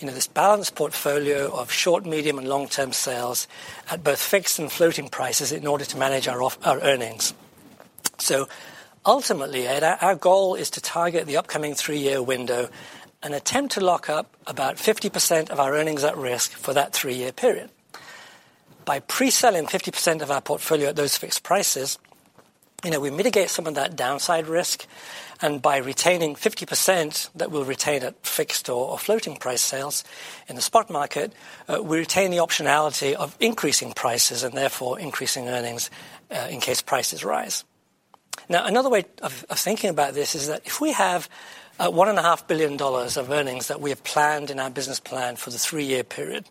you know, this balanced portfolio of short, medium, and long-term sales at both fixed and floating prices in order to manage our earnings. Ultimately, our goal is to target the upcoming three-year window and attempt to lock up about 50% of our earnings at risk for that three-year period. By pre-selling 50% of our portfolio at those fixed prices, you know, we mitigate some of that downside risk, and by retaining 50% that we'll retain at fixed or floating price sales in the spot market, we retain the optionality of increasing prices and therefore increasing earnings in case prices rise. Another way of thinking about this is that if we have $1.5 billion of earnings that we have planned in our business plan for the 3-year period,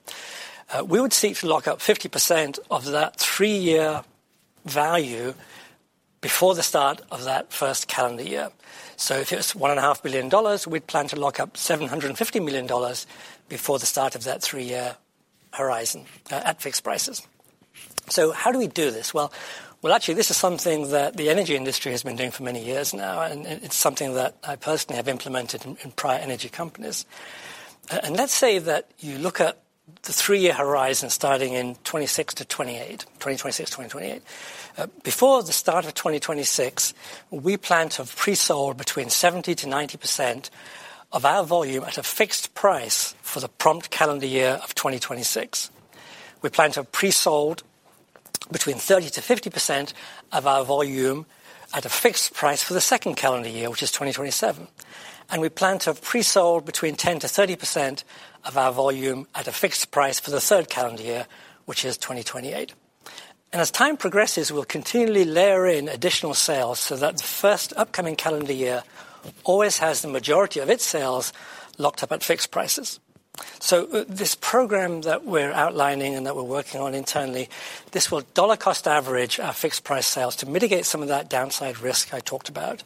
we would seek to lock up 50% of that 3-year value before the start of that 1st calendar year. If it's $1.5 billion, we'd plan to lock up $750 million before the start of that 3-year horizon at fixed prices. How do we do this? Well, actually, this is something that the energy industry has been doing for many years now, and it's something that I personally have implemented in prior energy companies. Let's say that you look at the three-year horizon starting in 2026-2028, 2026, 2028. Before the start of 2026, we plan to have pre-sold between 70%-90% of our volume at a fixed price for the prompt calendar year of 2026. We plan to have pre-sold between 30%-50% of our volume at a fixed price for the second calendar year, which is 2027. We plan to have pre-sold between 10%-30% of our volume at a fixed price for the third calendar year, which is 2028. As time progresses, we'll continually layer in additional sales so that the first upcoming calendar year always has the majority of its sales locked up at fixed prices. This program that we're outlining and that we're working on internally, this will dollar cost average our fixed price sales to mitigate some of that downside risk I talked about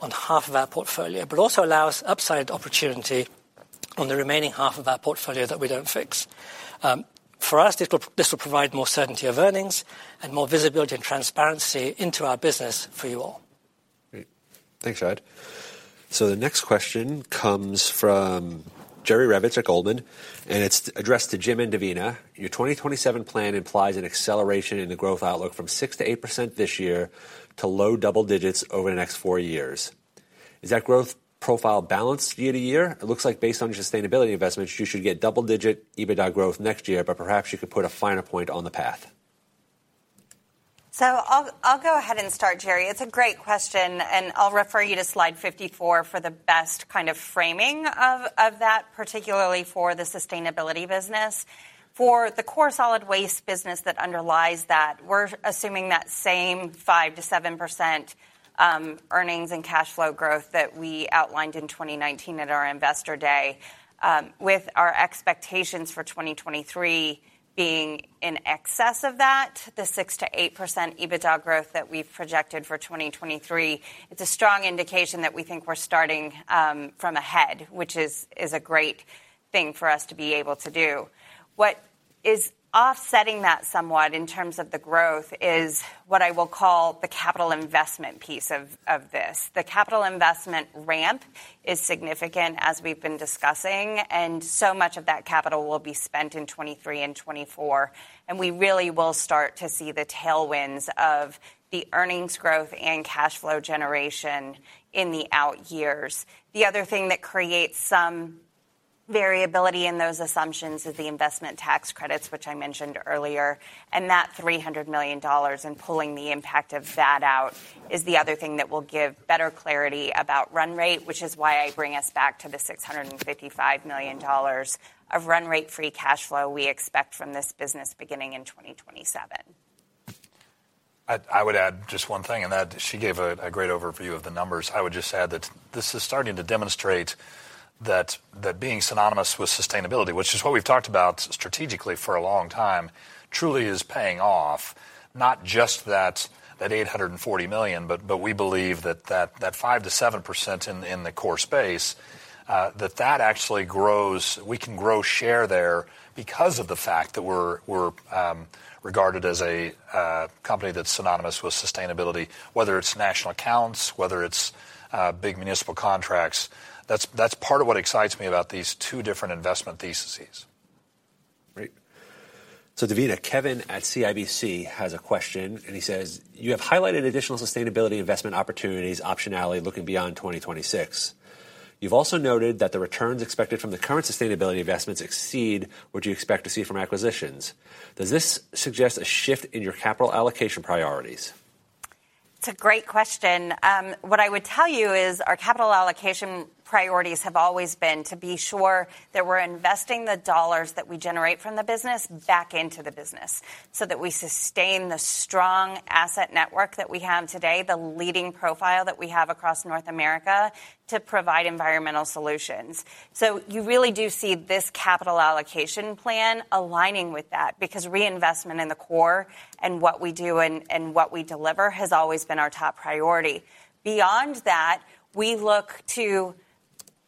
on half of our portfolio, but also allow us upside opportunity on the remaining half of our portfolio that we don't fix. For us, this will provide more certainty of earnings and more visibility and transparency into our business for you all. Great. Thanks, Ad. The next question comes from Jerry Revich at Goldman, and it's addressed to Jim and Davina. Your 2027 plan implies an acceleration in the growth outlook from 6%-8% this year to low double digits over the next four years. Is that growth profile balanced year to year? It looks like based on your sustainability investments, you should get double-digit EBITDA growth next year, but perhaps you could put a finer point on the path. I'll go ahead and start, Jerry. It's a great question, and I'll refer you to slide 54 for the best kind of framing of that, particularly for the sustainability business. For the core solid waste business that underlies that, we're assuming that same 5%-7% earnings and cash flow growth that we outlined in 2019 at our investor day. With our expectations for 2023 being in excess of that, the 6%-8% EBITDA growth that we've projected for 2023, it's a strong indication that we think we're starting from ahead, which is a great thing for us to be able to do. What is offsetting that somewhat in terms of the growth is what I will call the capital investment piece of this. The capital investment ramp is significant, as we've been discussing, and so much of that capital will be spent in 2023 and 2024, and we really will start to see the tailwinds of the earnings growth and cash flow generation in the out years. The other thing that creates some variability in those assumptions is the investment tax credits, which I mentioned earlier, and that $300 million and pulling the impact of that out is the other thing that will give better clarity about run rate, which is why I bring us back to the $655 million of run rate free cash flow we expect from this business beginning in 2027. I would add just one thing, and that she gave a great overview of the numbers. I would just add that this is starting to demonstrate that being synonymous with sustainability, which is what we've talked about strategically for a long time, truly is paying off not just that $840 million, but we believe that 5%-7% in the core space, that actually grows... We can grow share there because of the fact that we're regarded as a company that's synonymous with sustainability, whether it's National Accounts, whether it's big municipal contracts. That's part of what excites me about these two different investment theses. Great. Davina, Kevin at CIBC has a question, and he says, "You have highlighted additional sustainability investment opportunities, optionality looking beyond 2026. You've also noted that the returns expected from the current sustainability investments exceed what you expect to see from acquisitions. Does this suggest a shift in your capital allocation priorities? It's a great question. What I would tell you is our capital allocation priorities have always been to be sure that we're investing the dollars that we generate from the business back into the business, that we sustain the strong asset network that we have today, the leading profile that we have across North America to provide environmental solutions. You really do see this capital allocation plan aligning with that because reinvestment in the core and what we do and what we deliver has always been our top priority. Beyond that, we look to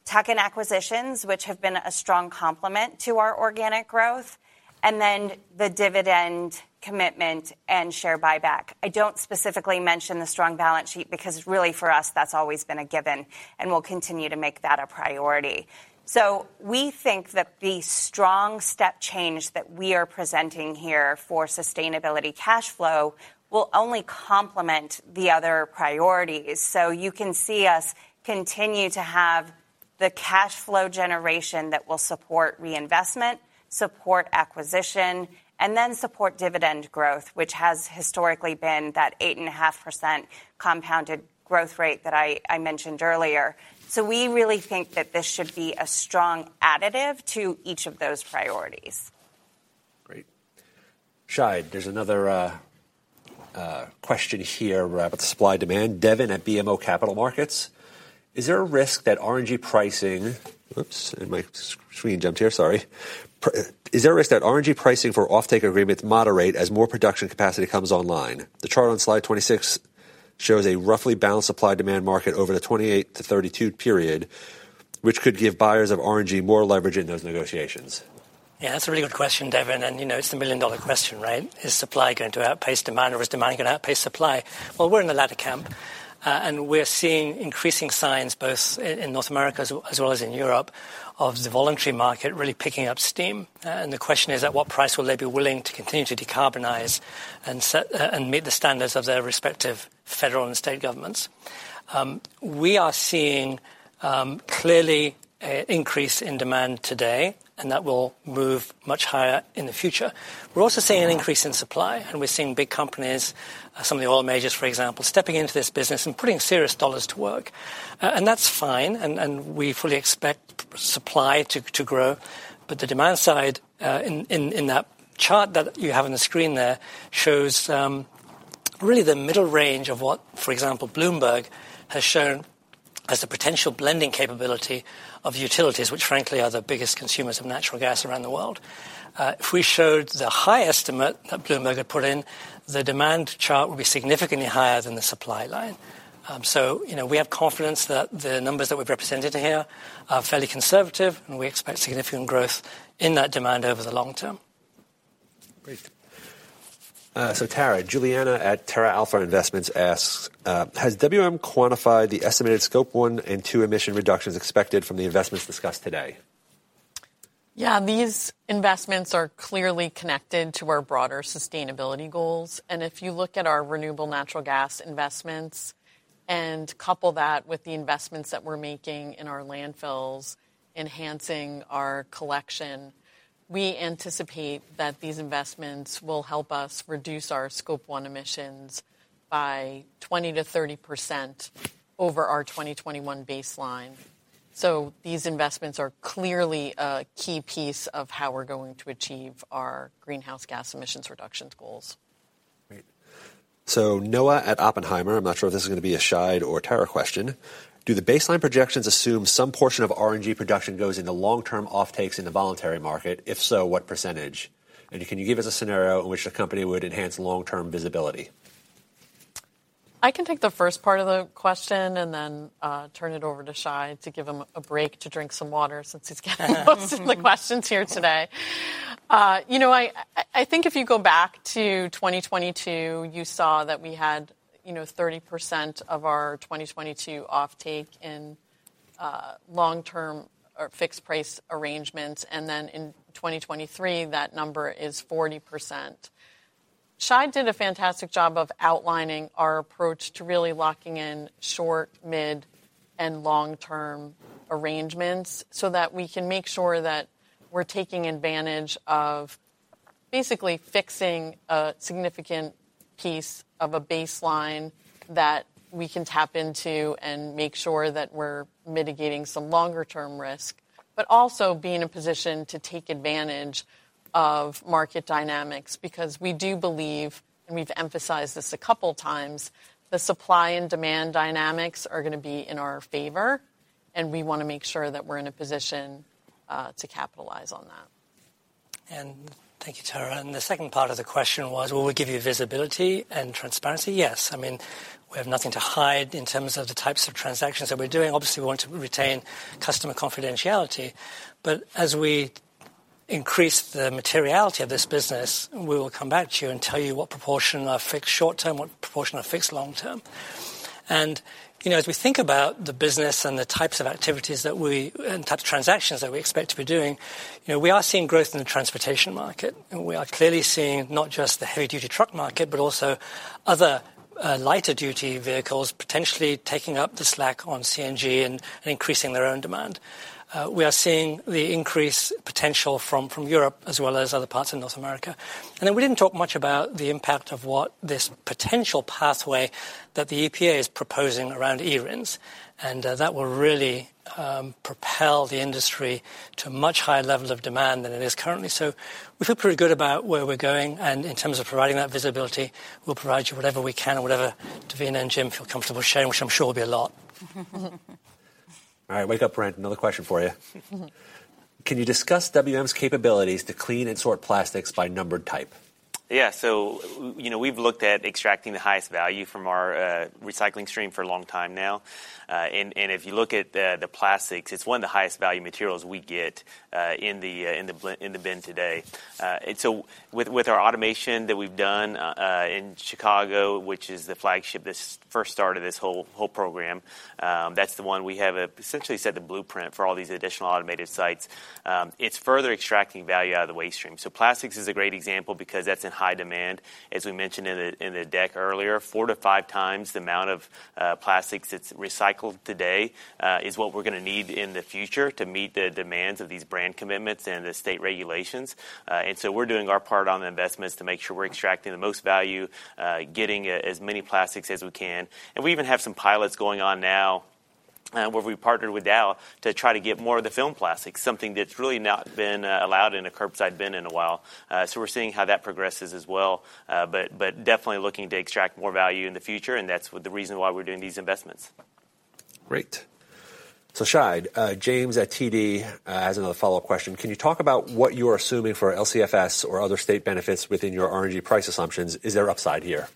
tuck-in acquisitions, which have been a strong complement to our organic growth, and then the dividend commitment and share buyback. I don't specifically mention the strong balance sheet because really for us, that's always been a given, and we'll continue to make that a priority. We think that the strong step change that we are presenting here for sustainability cash flow will only complement the other priorities. You can see us continue to have the cash flow generation that will support reinvestment, support acquisition, and then support dividend growth, which has historically been that 8.5% compounded growth rate that I mentioned earlier. We really think that this should be a strong additive to each of those priorities. Great. Shahid, there's another question here about the supply-demand. Devon at BMO Capital Markets: Is there a risk that RNG pricing... Oops, and my screen jumped here, sorry. Is there a risk that RNG pricing for offtake agreements moderate as more production capacity comes online? The chart on slide 26 shows a roughly balanced supply-demand market over the 28-32 period, which could give buyers of RNG more leverage in those negotiations. Yeah, that's a really good question, Devon, and, you know, it's the $1 million question, right? Is supply going to outpace demand or is demand gonna outpace supply? Well, we're in the latter camp, and we're seeing increasing signs both in North America as well as in Europe of the voluntary market really picking up steam. The question is: At what price will they be willing to continue to decarbonize and meet the standards of their respective federal and state governments? We are seeing clearly a increase in demand today, and that will move much higher in the future. We're also seeing an increase in supply, and we're seeing big companies, some of the oil majors, for example, stepping into this business and putting serious dollars to work. That's fine, and we fully expect supply to grow. The demand side in that chart that you have on the screen there shows really the middle range of what, for example, Bloomberg has shown as the potential blending capability of utilities, which frankly are the biggest consumers of natural gas around the world. If we showed the high estimate that Bloomberg had put in, the demand chart would be significantly higher than the supply line. You know, we have confidence that the numbers that we've represented here are fairly conservative, and we expect significant growth in that demand over the long term. Great. Tara, Juliana at Terra Alpha Investments asks, "Has WM quantified the estimated scope one and two emission reductions expected from the investments discussed today? These investments are clearly connected to our broader sustainability goals. If you look at our renewable natural gas investments and couple that with the investments that we're making in our landfills, enhancing our collection, we anticipate that these investments will help us reduce our Scope 1 emissions by 20%-30% over our 2021 baseline. These investments are clearly a key piece of how we're going to achieve our greenhouse gas emissions reductions goals. Great. Noah at Oppenheimer, I'm not sure if this is gonna be a Shahid or Tara question: Do the baseline projections assume some portion of RNG production goes into long-term offtakes in the voluntary market? If so, what percentage? Can you give us a scenario in which the company would enhance long-term visibility? I can take the first part of the question and then turn it over to Shahid to give him a break to drink some water since he's gotten most of the questions here today. You know, I think if you go back to 2022, you saw that we had, you know, 30% of our 2022 offtake in long-term or fixed price arrangements. In 2023, that number is 40%. Shahid did a fantastic job of outlining our approach to really locking in short, mid, and long-term arrangements so that we can make sure that we're taking advantage of basically fixing a significant piece of a baseline that we can tap into and make sure that we're mitigating some longer-term risk, but also be in a position to take advantage of market dynamics. Because we do believe, and we've emphasized this a couple times, the supply and demand dynamics are gonna be in our favor, and we wanna make sure that we're in a position to capitalize on that. Thank you, Tara. The second part of the question was, will we give you visibility and transparency? Yes. I mean, we have nothing to hide in terms of the types of transactions that we're doing. Obviously, we want to retain customer confidentiality. As we increase the materiality of this business, we will come back to you and tell you what proportion are fixed short-term, what proportion are fixed long-term. You know, as we think about the business and the types of activities and types of transactions that we expect to be doing, you know, we are seeing growth in the transportation market. We are clearly seeing not just the heavy-duty truck market, but also other, lighter-duty vehicles potentially taking up the slack on CNG and increasing their own demand. We are seeing the increased potential from Europe as well as other parts of North America. We didn't talk much about the impact of what this potential pathway that the EPA is proposing around ERINs. That will really propel the industry to much higher levels of demand than it is currently. We feel pretty good about where we're going. In terms of providing that visibility, we'll provide you whatever we can or whatever Davina and Jim feel comfortable sharing, which I'm sure will be a lot. All right, wake up Brent. Another question for you. Can you discuss WM's capabilities to clean and sort plastics by numbered type? Yeah. You know, we've looked at extracting the highest value from our recycling stream for a long time now. And if you look at the plastics, it's one of the highest value materials we get in the bin today. With our automation that we've done in Chicago, which is the flagship, this first start of this whole program, that's the one we have essentially set the blueprint for all these additional automated sites. It's further extracting value out of the waste stream. Plastics is a great example because that's in high demand. As we mentioned in the deck earlier, 4 to 5 times the amount of plastics that's recycled today is what we're gonna need in the future to meet the demands of these brand commitments and the state regulations. We're doing our part on the investments to make sure we're extracting the most value, getting as many plastics as we can. We even have some pilots going on now where we partnered with Dow to try to get more of the film plastic, something that's really not been allowed in a curbside bin in a while. We're seeing how that progresses as well. Definitely looking to extract more value in the future, and that's what the reason why we're doing these investments. Great. Shahid, James at TD, has another follow-up question: Can you talk about what you're assuming for LCFS or other state benefits within your RNG price assumptions? Is there upside here?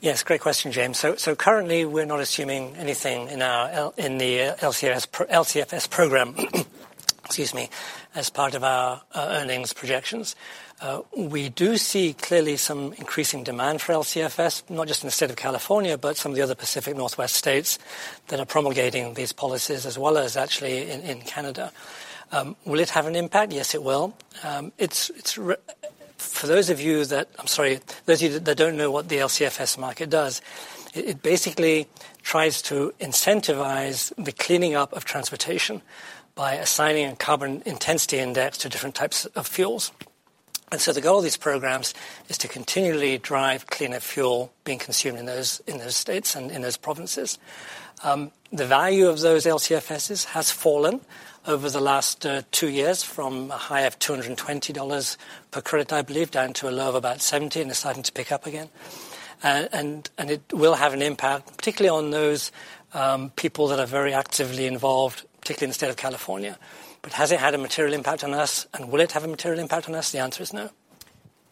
Yes. Great question, James. Currently we're not assuming anything in our LCFS program, excuse me, as part of our earnings projections. We do see clearly some increasing demand for LCFS, not just in the state of California, but some of the other Pacific Northwest states that are promulgating these policies as well as actually in Canada. Will it have an impact? Yes, it will. It's For those of you that... I'm sorry, those of you that don't know what the LCFS market does, it basically tries to incentivize the cleaning up of transportation by assigning a carbon intensity score to different types of fuels. The goal of these programs is to continually drive cleaner fuel being consumed in those states and in those provinces. The value of those LCFSs has fallen over the last 2 years from a high of $220 per credit, I believe, down to a low of about $70, and it's starting to pick up again. It will have an impact, particularly on those people that are very actively involved, particularly in the state of California. Has it had a material impact on us, and will it have a material impact on us? The answer is no.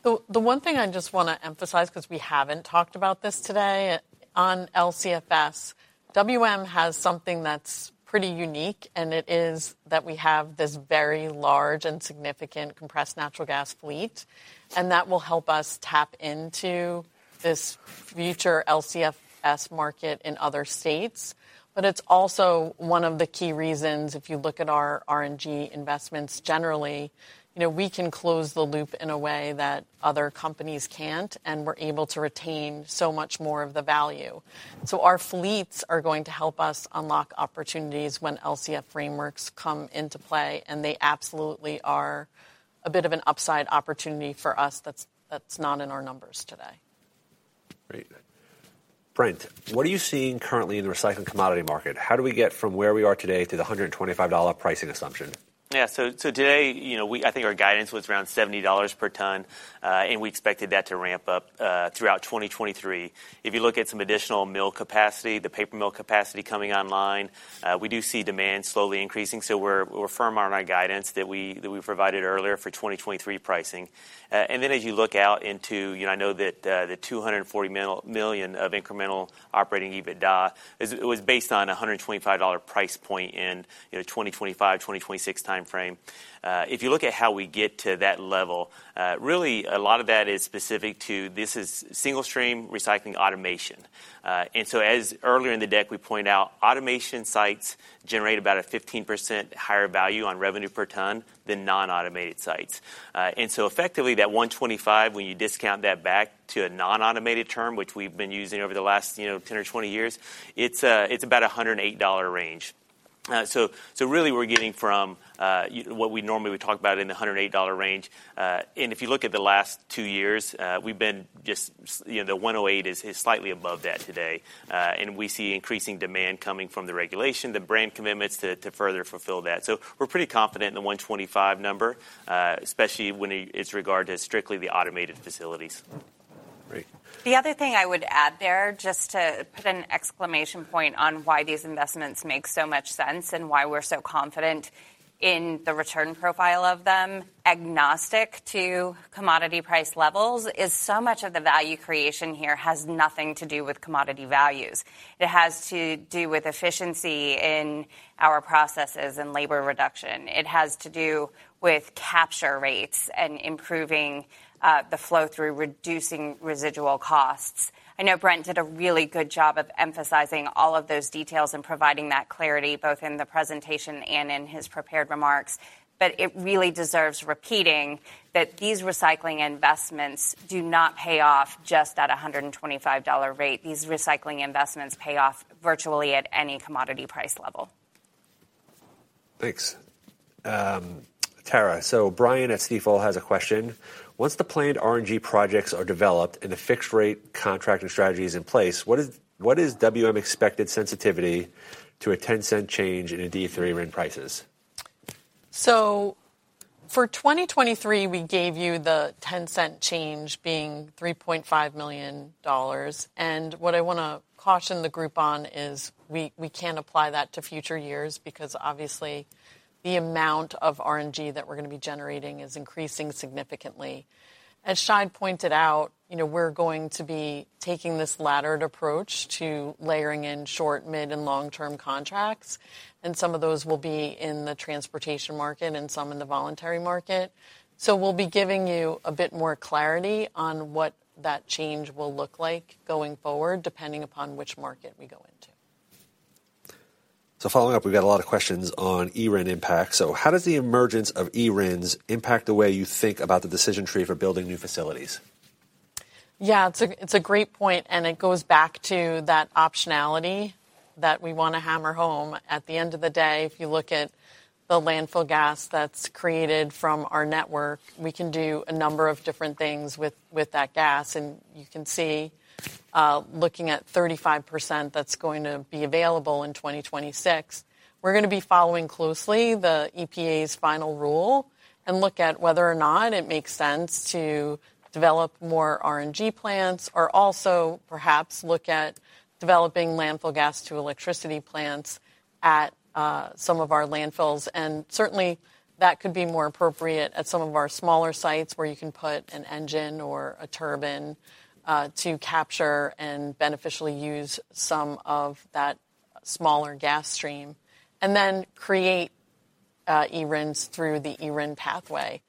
The one thing I just wanna emphasize, 'cause we haven't talked about this today, on LCFS, WM has something that's pretty unique, and it is that we have this very large and significant compressed natural gas fleet, and that will help us tap into this future LCFS market in other states. It's also one of the key reasons, if you look at our RNG investments generally, you know, we can close the loop in a way that other companies can't, and we're able to retain so much more of the value. Our fleets are going to help us unlock opportunities when LCF frameworks come into play, and they absolutely are a bit of an upside opportunity for us that's not in our numbers today. Great. Brent, what are you seeing currently in the recycling commodity market? How do we get from where we are today to the $125 pricing assumption? Yeah. Today, you know, I think our guidance was around $70 per ton, and we expected that to ramp up throughout 2023. If you look at some additional mill capacity, the paper mill capacity coming online, we do see demand slowly increasing, so we're firm on our guidance that we've provided earlier for 2023 pricing. Then as you look out into... You know, I know that the $240 million of incremental operating EBITDA it was based on a $125 price point in, you know, 2025, 2026 timeframe. If you look at how we get to that level, really a lot of that is specific to this is single-stream recycling automation. As earlier in the deck we point out, automation sites generate about a 15% higher value on revenue per ton than non-automated sites. Effectively that $125, when you discount that back to a non-automated term, which we've been using over the last, you know, 10 or 20 years, it's about a $108 range. Really we're getting from what we normally would talk about in the $108 range. If you look at the last 2 years, we've been just, you know, the $108 is slightly above that today. We see increasing demand coming from the regulation, the brand commitments to further fulfill that. We're pretty confident in the 125 number, especially when it's regard to strictly the automated facilities. Great. The other thing I would add there, just to put an exclamation point on why these investments make so much sense and why we're so confident in the return profile of them, agnostic to commodity price levels, is so much of the value creation here has nothing to do with commodity values. It has to do with efficiency in our processes and labor reduction. It has to do with capture rates and improving the flow through reducing residual costs. I know Brent did a really good job of emphasizing all of those details and providing that clarity, both in the presentation and in his prepared remarks. It really deserves repeating that these recycling investments do not pay off just at a $125 rate. These recycling investments pay off virtually at any commodity price level. Thanks. Tara, Brian at Stifel has a question: Once the planned RNG projects are developed and the fixed rate contracting strategy is in place, what is WM expected sensitivity to a $0.10 change in a D3 RIN prices? For 2023, we gave you the $0.10 change being $3.5 million. What I wanna caution the group on is we can't apply that to future years because obviously the amount of RNG that we're gonna be generating is increasing significantly. As Shahid pointed out, you know, we're going to be taking this laddered approach to layering in short-, mid-, and long-term contracts, and some of those will be in the transportation market and some in the voluntary market. We'll be giving you a bit more clarity on what that change will look like going forward, depending upon which market we go into. Following up, we've got a lot of questions on eRIN impact. How does the emergence of eRINs impact the way you think about the decision tree for building new facilities? Yeah, it's a great point, it goes back to that optionality that we wanna hammer home. At the end of the day, if you look at the landfill gas that's created from our network, we can do a number of different things with that gas. Looking at 35% that's going to be available in 2026, we're gonna be following closely the EPA's final rule and look at whether or not it makes sense to develop more RNG plants or also perhaps look at developing landfill gas to electricity plants at some of our landfills. Certainly that could be more appropriate at some of our smaller sites where you can put an engine or a turbine to capture and beneficially use some of that smaller gas stream and then create eRINs through the eRIN pathway.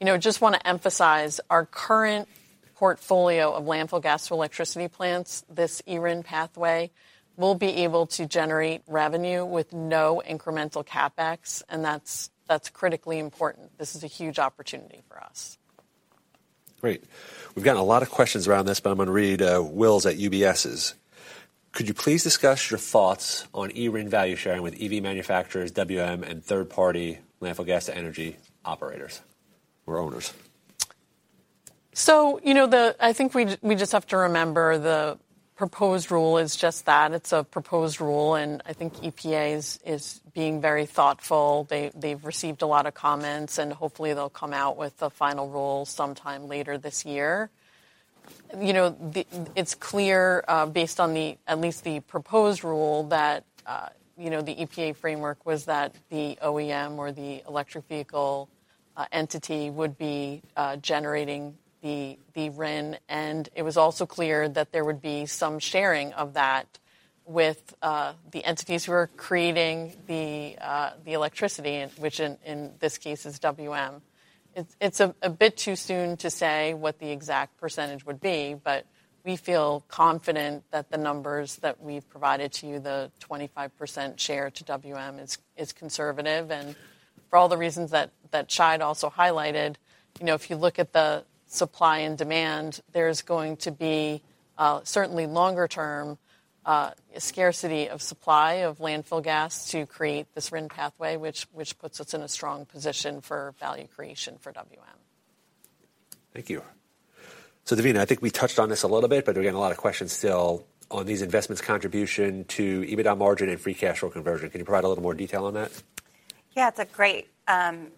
You know, just wanna emphasize our current portfolio of landfill gas to electricity plants, this eRIN pathway will be able to generate revenue with no incremental CapEx. That's critically important. This is a huge opportunity for us. Great. We've gotten a lot of questions around this, but I'm gonna read, Will's at UBS's. Could you please discuss your thoughts on eRIN value sharing with EV manufacturers, WM, and third-party landfill gas to energy operators or owners? You know, I think we just have to remember the proposed rule is just that. It's a proposed rule. I think EPA is being very thoughtful. They've received a lot of comments. Hopefully they'll come out with a final rule sometime later this year. You know, it's clear, based on the, at least the proposed rule that, you know, the EPA framework was that the OEM or the electric vehicle entity would be generating the RIN. It was also clear that there would be some sharing of that with the entities who are creating the electricity, which in this case is WM. It's a bit too soon to say what the exact percentage would be, but we feel confident that the numbers that we've provided to you, the 25% share to WM is conservative. For all the reasons that Shahid also highlighted, you know, if you look at the supply and demand, there's going to be certainly longer term scarcity of supply of landfill gas to create this RIN pathway which puts us in a strong position for value creation for WM. Thank you. Devina, I think we touched on this a little bit, but we're getting a lot of questions still on these investments' contribution to EBITDA margin and free cash flow conversion. Can you provide a little more detail on that? Yeah, it's a great question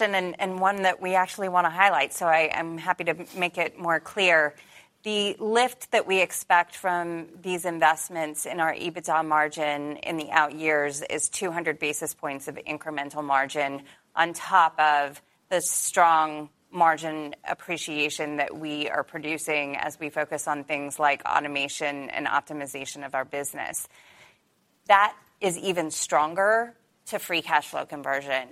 and one that we actually wanna highlight, so I am happy to make it more clear. The lift that we expect from these investments in our EBITDA margin in the out years is 200 basis points of incremental margin on top of the strong margin appreciation that we are producing as we focus on things like automation and optimization of our business. That is even stronger to free cash flow conversion.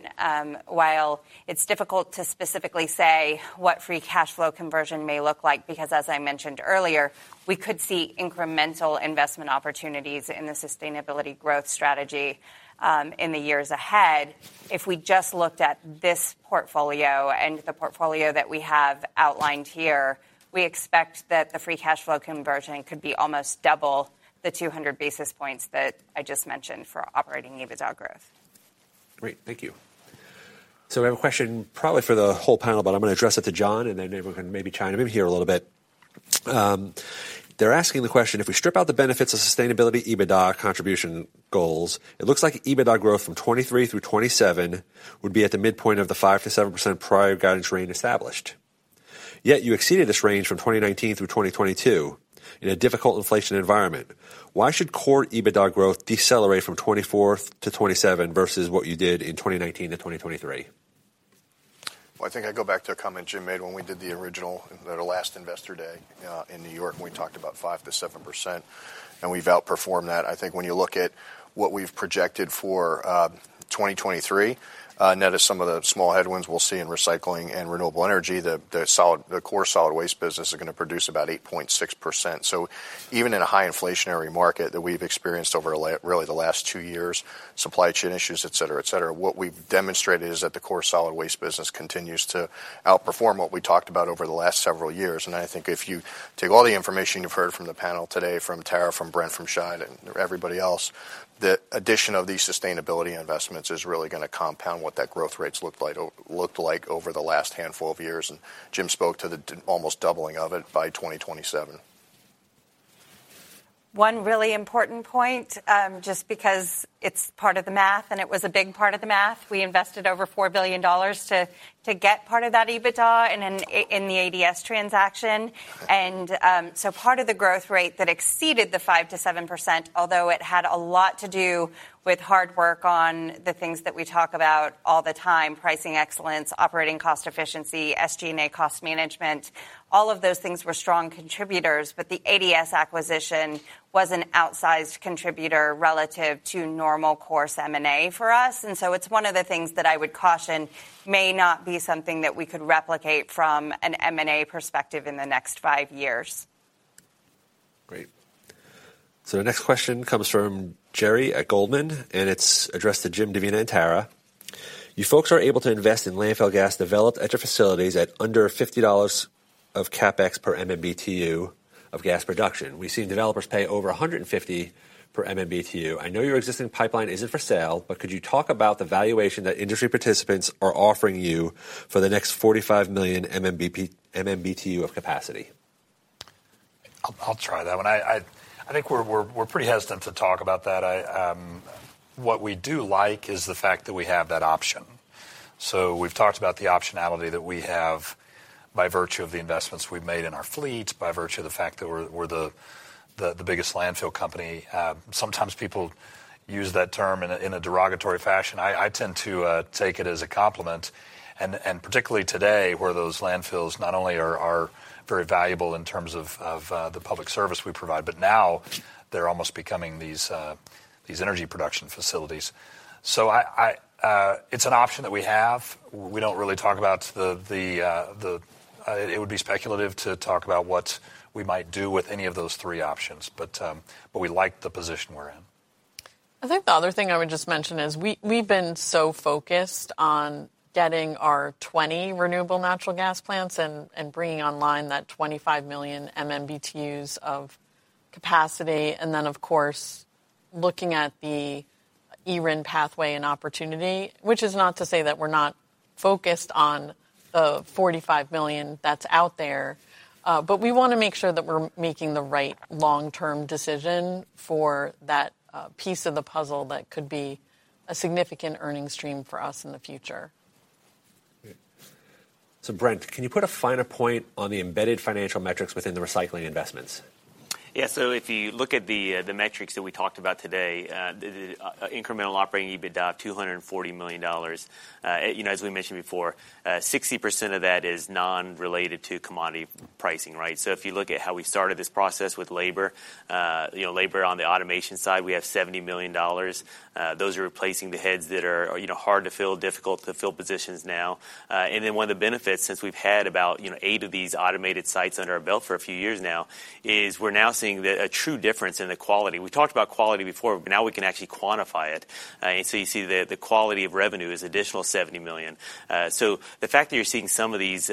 While it's difficult to specifically say what free cash flow conversion may look like, because as I mentioned earlier, we could see incremental investment opportunities in the sustainability growth strategy in the years ahead. If we just looked at this portfolio and the portfolio that we have outlined here, we expect that the free cash flow conversion could be almost double the 200 basis points that I just mentioned for operating EBITDA growth. Great. Thank you. We have a question probably for the whole panel, but I'm gonna address it to John, and then maybe we can chime in here a little bit. They're asking the question: If we strip out the benefits of sustainability EBITDA contribution goals, it looks like EBITDA growth from 2023 through 2027 would be at the midpoint of the 5%-7% prior guidance range established, yet you exceeded this range from 2019 through 2022 in a difficult inflation environment. Why should core EBITDA growth decelerate from 2024 to 2027 versus what you did in 2019 to 2023? Well, I think I go back to a comment Jim made when we did the original, the last investor day, in New York when we talked about 5%-7%, and we've outperformed that. I think when you look at what we've projected for 2023, net of some of the small headwinds we'll see in recycling and renewable energy, the core solid waste business is gonna produce about 8.6%. Even in a high inflationary market that we've experienced over really the last two years, supply chain issues, et cetera, et cetera, what we've demonstrated is that the core solid waste business continues to outperform what we talked about over the last several years. I think if you take all the information you've heard from the panel today, from Tara, from Brent, from Shahid, and everybody else, the addition of these sustainability investments is really gonna compound what that growth rates looked like over the last handful of years. Jim spoke to the almost doubling of it by 2027. One really important point, just because it's part of the math and it was a big part of the math, we invested over $4 billion to get part of that EBITDA in the ADS transaction. Part of the growth rate that exceeded the 5%-7%, although it had a lot to do with hard work on the things that we talk about all the time, pricing excellence, operating cost efficiency, SG&A cost management, all of those things were strong contributors. The ADS acquisition was an outsized contributor relative to normal course M&A for us. It's one of the things that I would caution may not be something that we could replicate from an M&A perspective in the next five years. Great. The next question comes from Jerry at Goldman, and it's addressed to Jim, Devina, and Tara. You folks are able to invest in landfill gas developed at your facilities at under $50 of CapEx per MMBtu of gas production. We've seen developers pay over 150 per MMBtu. I know your existing pipeline isn't for sale, but could you talk about the valuation that industry participants are offering you for the next 45 million MMBtu of capacity? I'll try that one. I think we're pretty hesitant to talk about that. I, what we do like is the fact that we have that option. We've talked about the optionality that we have by virtue of the investments we've made in our fleet, by virtue of the fact that we're the biggest landfill company. Sometimes people use that term in a derogatory fashion. I tend to take it as a compliment and particularly today, where those landfills not only are very valuable in terms of the public service we provide, but now they're almost becoming these energy production facilities. I, it's an option that we have. We don't really talk about the, the... it would be speculative to talk about what we might do with any of those 3 options. We like the position we're in. I think the other thing I would just mention is we've been so focused on getting our 20 renewable natural gas plants and bringing online that 25 million MMBtus of capacity, and then of course looking at the eRIN pathway and opportunity, which is not to say that we're not focused on the 45 million that's out there. We wanna make sure that we're making the right long-term decision for that piece of the puzzle that could be a significant earning stream for us in the future. Great. Brent, can you put a finer point on the embedded financial metrics within the recycling investments? Yeah. If you look at the metrics that we talked about today, the incremental operating EBITDA, $240 million. You know, as we mentioned before, 60% of that is non-related to commodity pricing, right? If you look at how we started this process with labor, you know, labor on the automation side, we have $70 million. Those are replacing the heads that are, you know, hard to fill, difficult to fill positions now. One of the benefits, since we've had about, you know, eight of these automated sites under our belt for a few years now, is we're now seeing a true difference in the quality. We talked about quality before, but now we can actually quantify it. You see the quality of revenue is additional $70 million. The fact that you're seeing some of these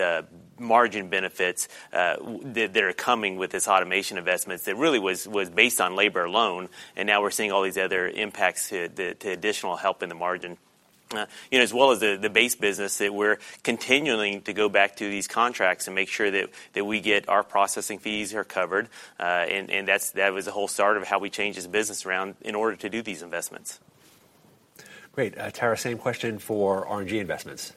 margin benefits that are coming with this automation investments that really was based on labor alone, and now we're seeing all these other impacts to additional help in the margin. You know, as well as the base business that we're continuing to go back to these contracts and make sure that we get our processing fees are covered. And that was the whole start of how we changed this business around in order to do these investments. Great. Tara, same question for RNG investments.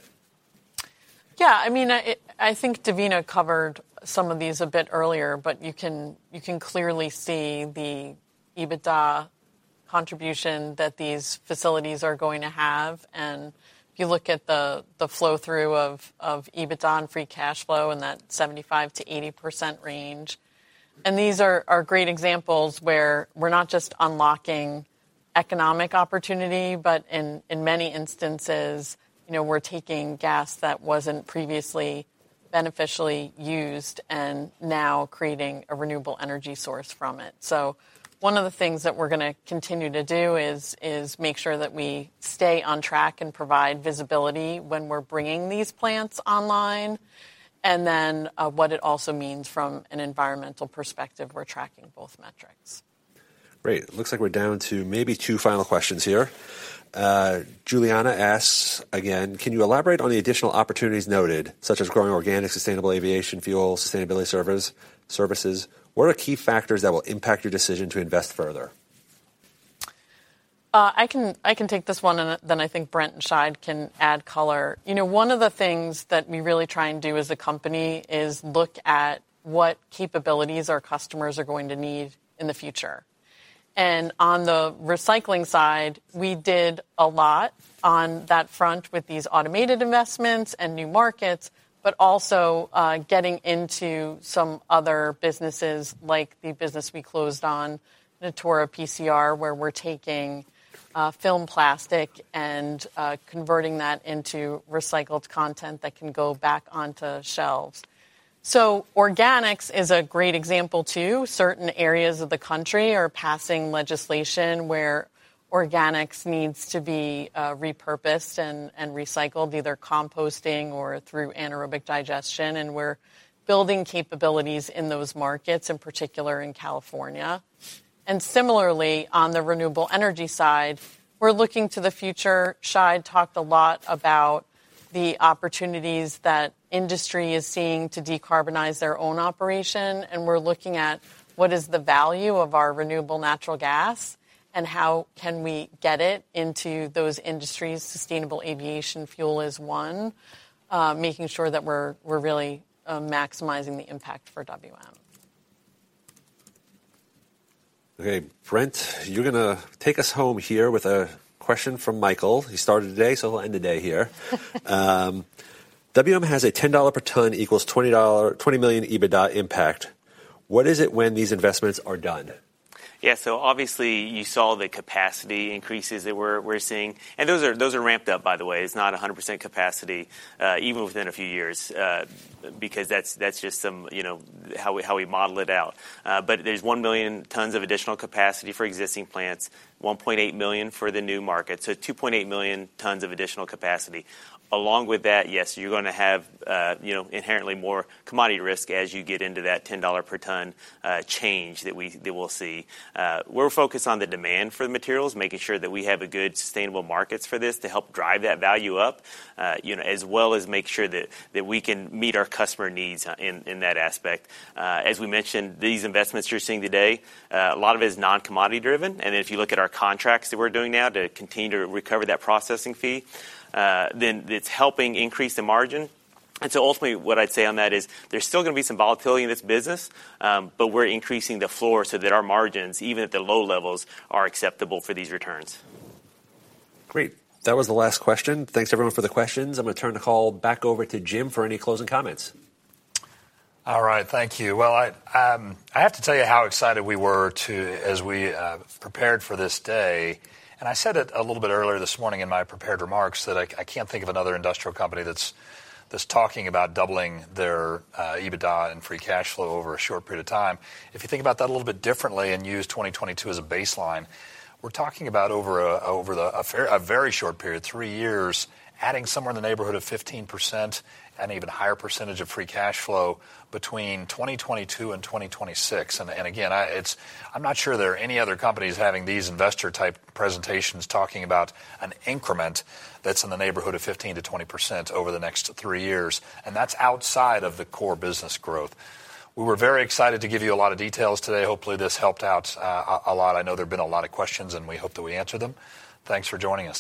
I mean, I think Devina covered some of these a bit earlier, but you can, you can clearly see the EBITDA contribution that these facilities are going to have. If you look at the flow-through of EBITDA and free cash flow in that 75%-80% range. These are great examples where we're not just unlocking economic opportunity, but in many instances, you know, we're taking gas that wasn't previously beneficially used and now creating a renewable energy source from it. One of the things that we're gonna continue to do is make sure that we stay on track and provide visibility when we're bringing these plants online, and then what it also means from an environmental perspective. We're tracking both metrics. Great. Looks like we're down to maybe 2 final questions here. Juliana asks again: Can you elaborate on the additional opportunities noted, such as growing organic sustainable aviation fuel, sustainability services? What are key factors that will impact your decision to invest further? I can take this one, and then I think Brent and Shahid can add color. You know, one of the things that we really try and do as a company is look at what capabilities our customers are going to need in the future. On the recycling side, we did a lot on that front with these automated investments and new markets, but also getting into some other businesses, like the business we closed on, Natura PCR, where we're taking film plastic and converting that into recycled content that can go back onto shelves. Organics is a great example, too. Certain areas of the country are passing legislation where organics needs to be repurposed and recycled, either composting or through anaerobic digestion, and we're building capabilities in those markets, in particular in California. Similarly, on the renewable energy side, we're looking to the future. Shahid talked a lot about the opportunities that industry is seeing to decarbonize their own operation, and we're looking at what is the value of our renewable natural gas, and how can we get it into those industries. Sustainable aviation fuel is one. Making sure that we're really maximizing the impact for WM. Okay, Brent, you're gonna take us home here with a question from Michael. He started today, so he'll end the day here. WM has a $10 per ton equals $20 million EBITDA impact. What is it when these investments are done? Yeah. Obviously you saw the capacity increases that we're seeing. Those are ramped up by the way. It's not 100% capacity even within a few years, because that's just some, you know, how we model it out. There's 1 million tons of additional capacity for existing plants, 1.8 million for the new market, so 2.8 million tons of additional capacity. Along with that, yes, you're gonna have, you know, inherently more commodity risk as you get into that $10 per ton change that we'll see. We're focused on the demand for the materials, making sure that we have a good sustainable markets for this to help drive that value up, you know, as well as make sure that we can meet our customer needs in that aspect. As we mentioned, these investments you're seeing today, a lot of it is non-commodity driven. If you look at our contracts that we're doing now to continue to recover that processing fee, then it's helping increase the margin. Ultimately what I'd say on that is there's still gonna be some volatility in this business, but we're increasing the floor so that our margins, even at the low levels, are acceptable for these returns. Great. That was the last question. Thanks everyone for the questions. I'm gonna turn the call back over to Jim for any closing comments. All right. Thank you. I have to tell you how excited we were as we prepared for this day. I said it a little bit earlier this morning in my prepared remarks that I can't think of another industrial company that's talking about doubling their EBITDA and free cash flow over a short period of time. If you think about that a little bit differently and use 2022 as a baseline, we're talking about over a very short period, three years, adding somewhere in the neighborhood of 15% and even higher percentage of free cash flow between 2022 and 2026. Again, I'm not sure there are any other companies having these investor-type presentations talking about an increment that's in the neighborhood of 15% to 20% over the next 3 years, and that's outside of the core business growth. We were very excited to give you a lot of details today. Hopefully, this helped out a lot. I know there have been a lot of questions, and we hope that we answered them. Thanks for joining us.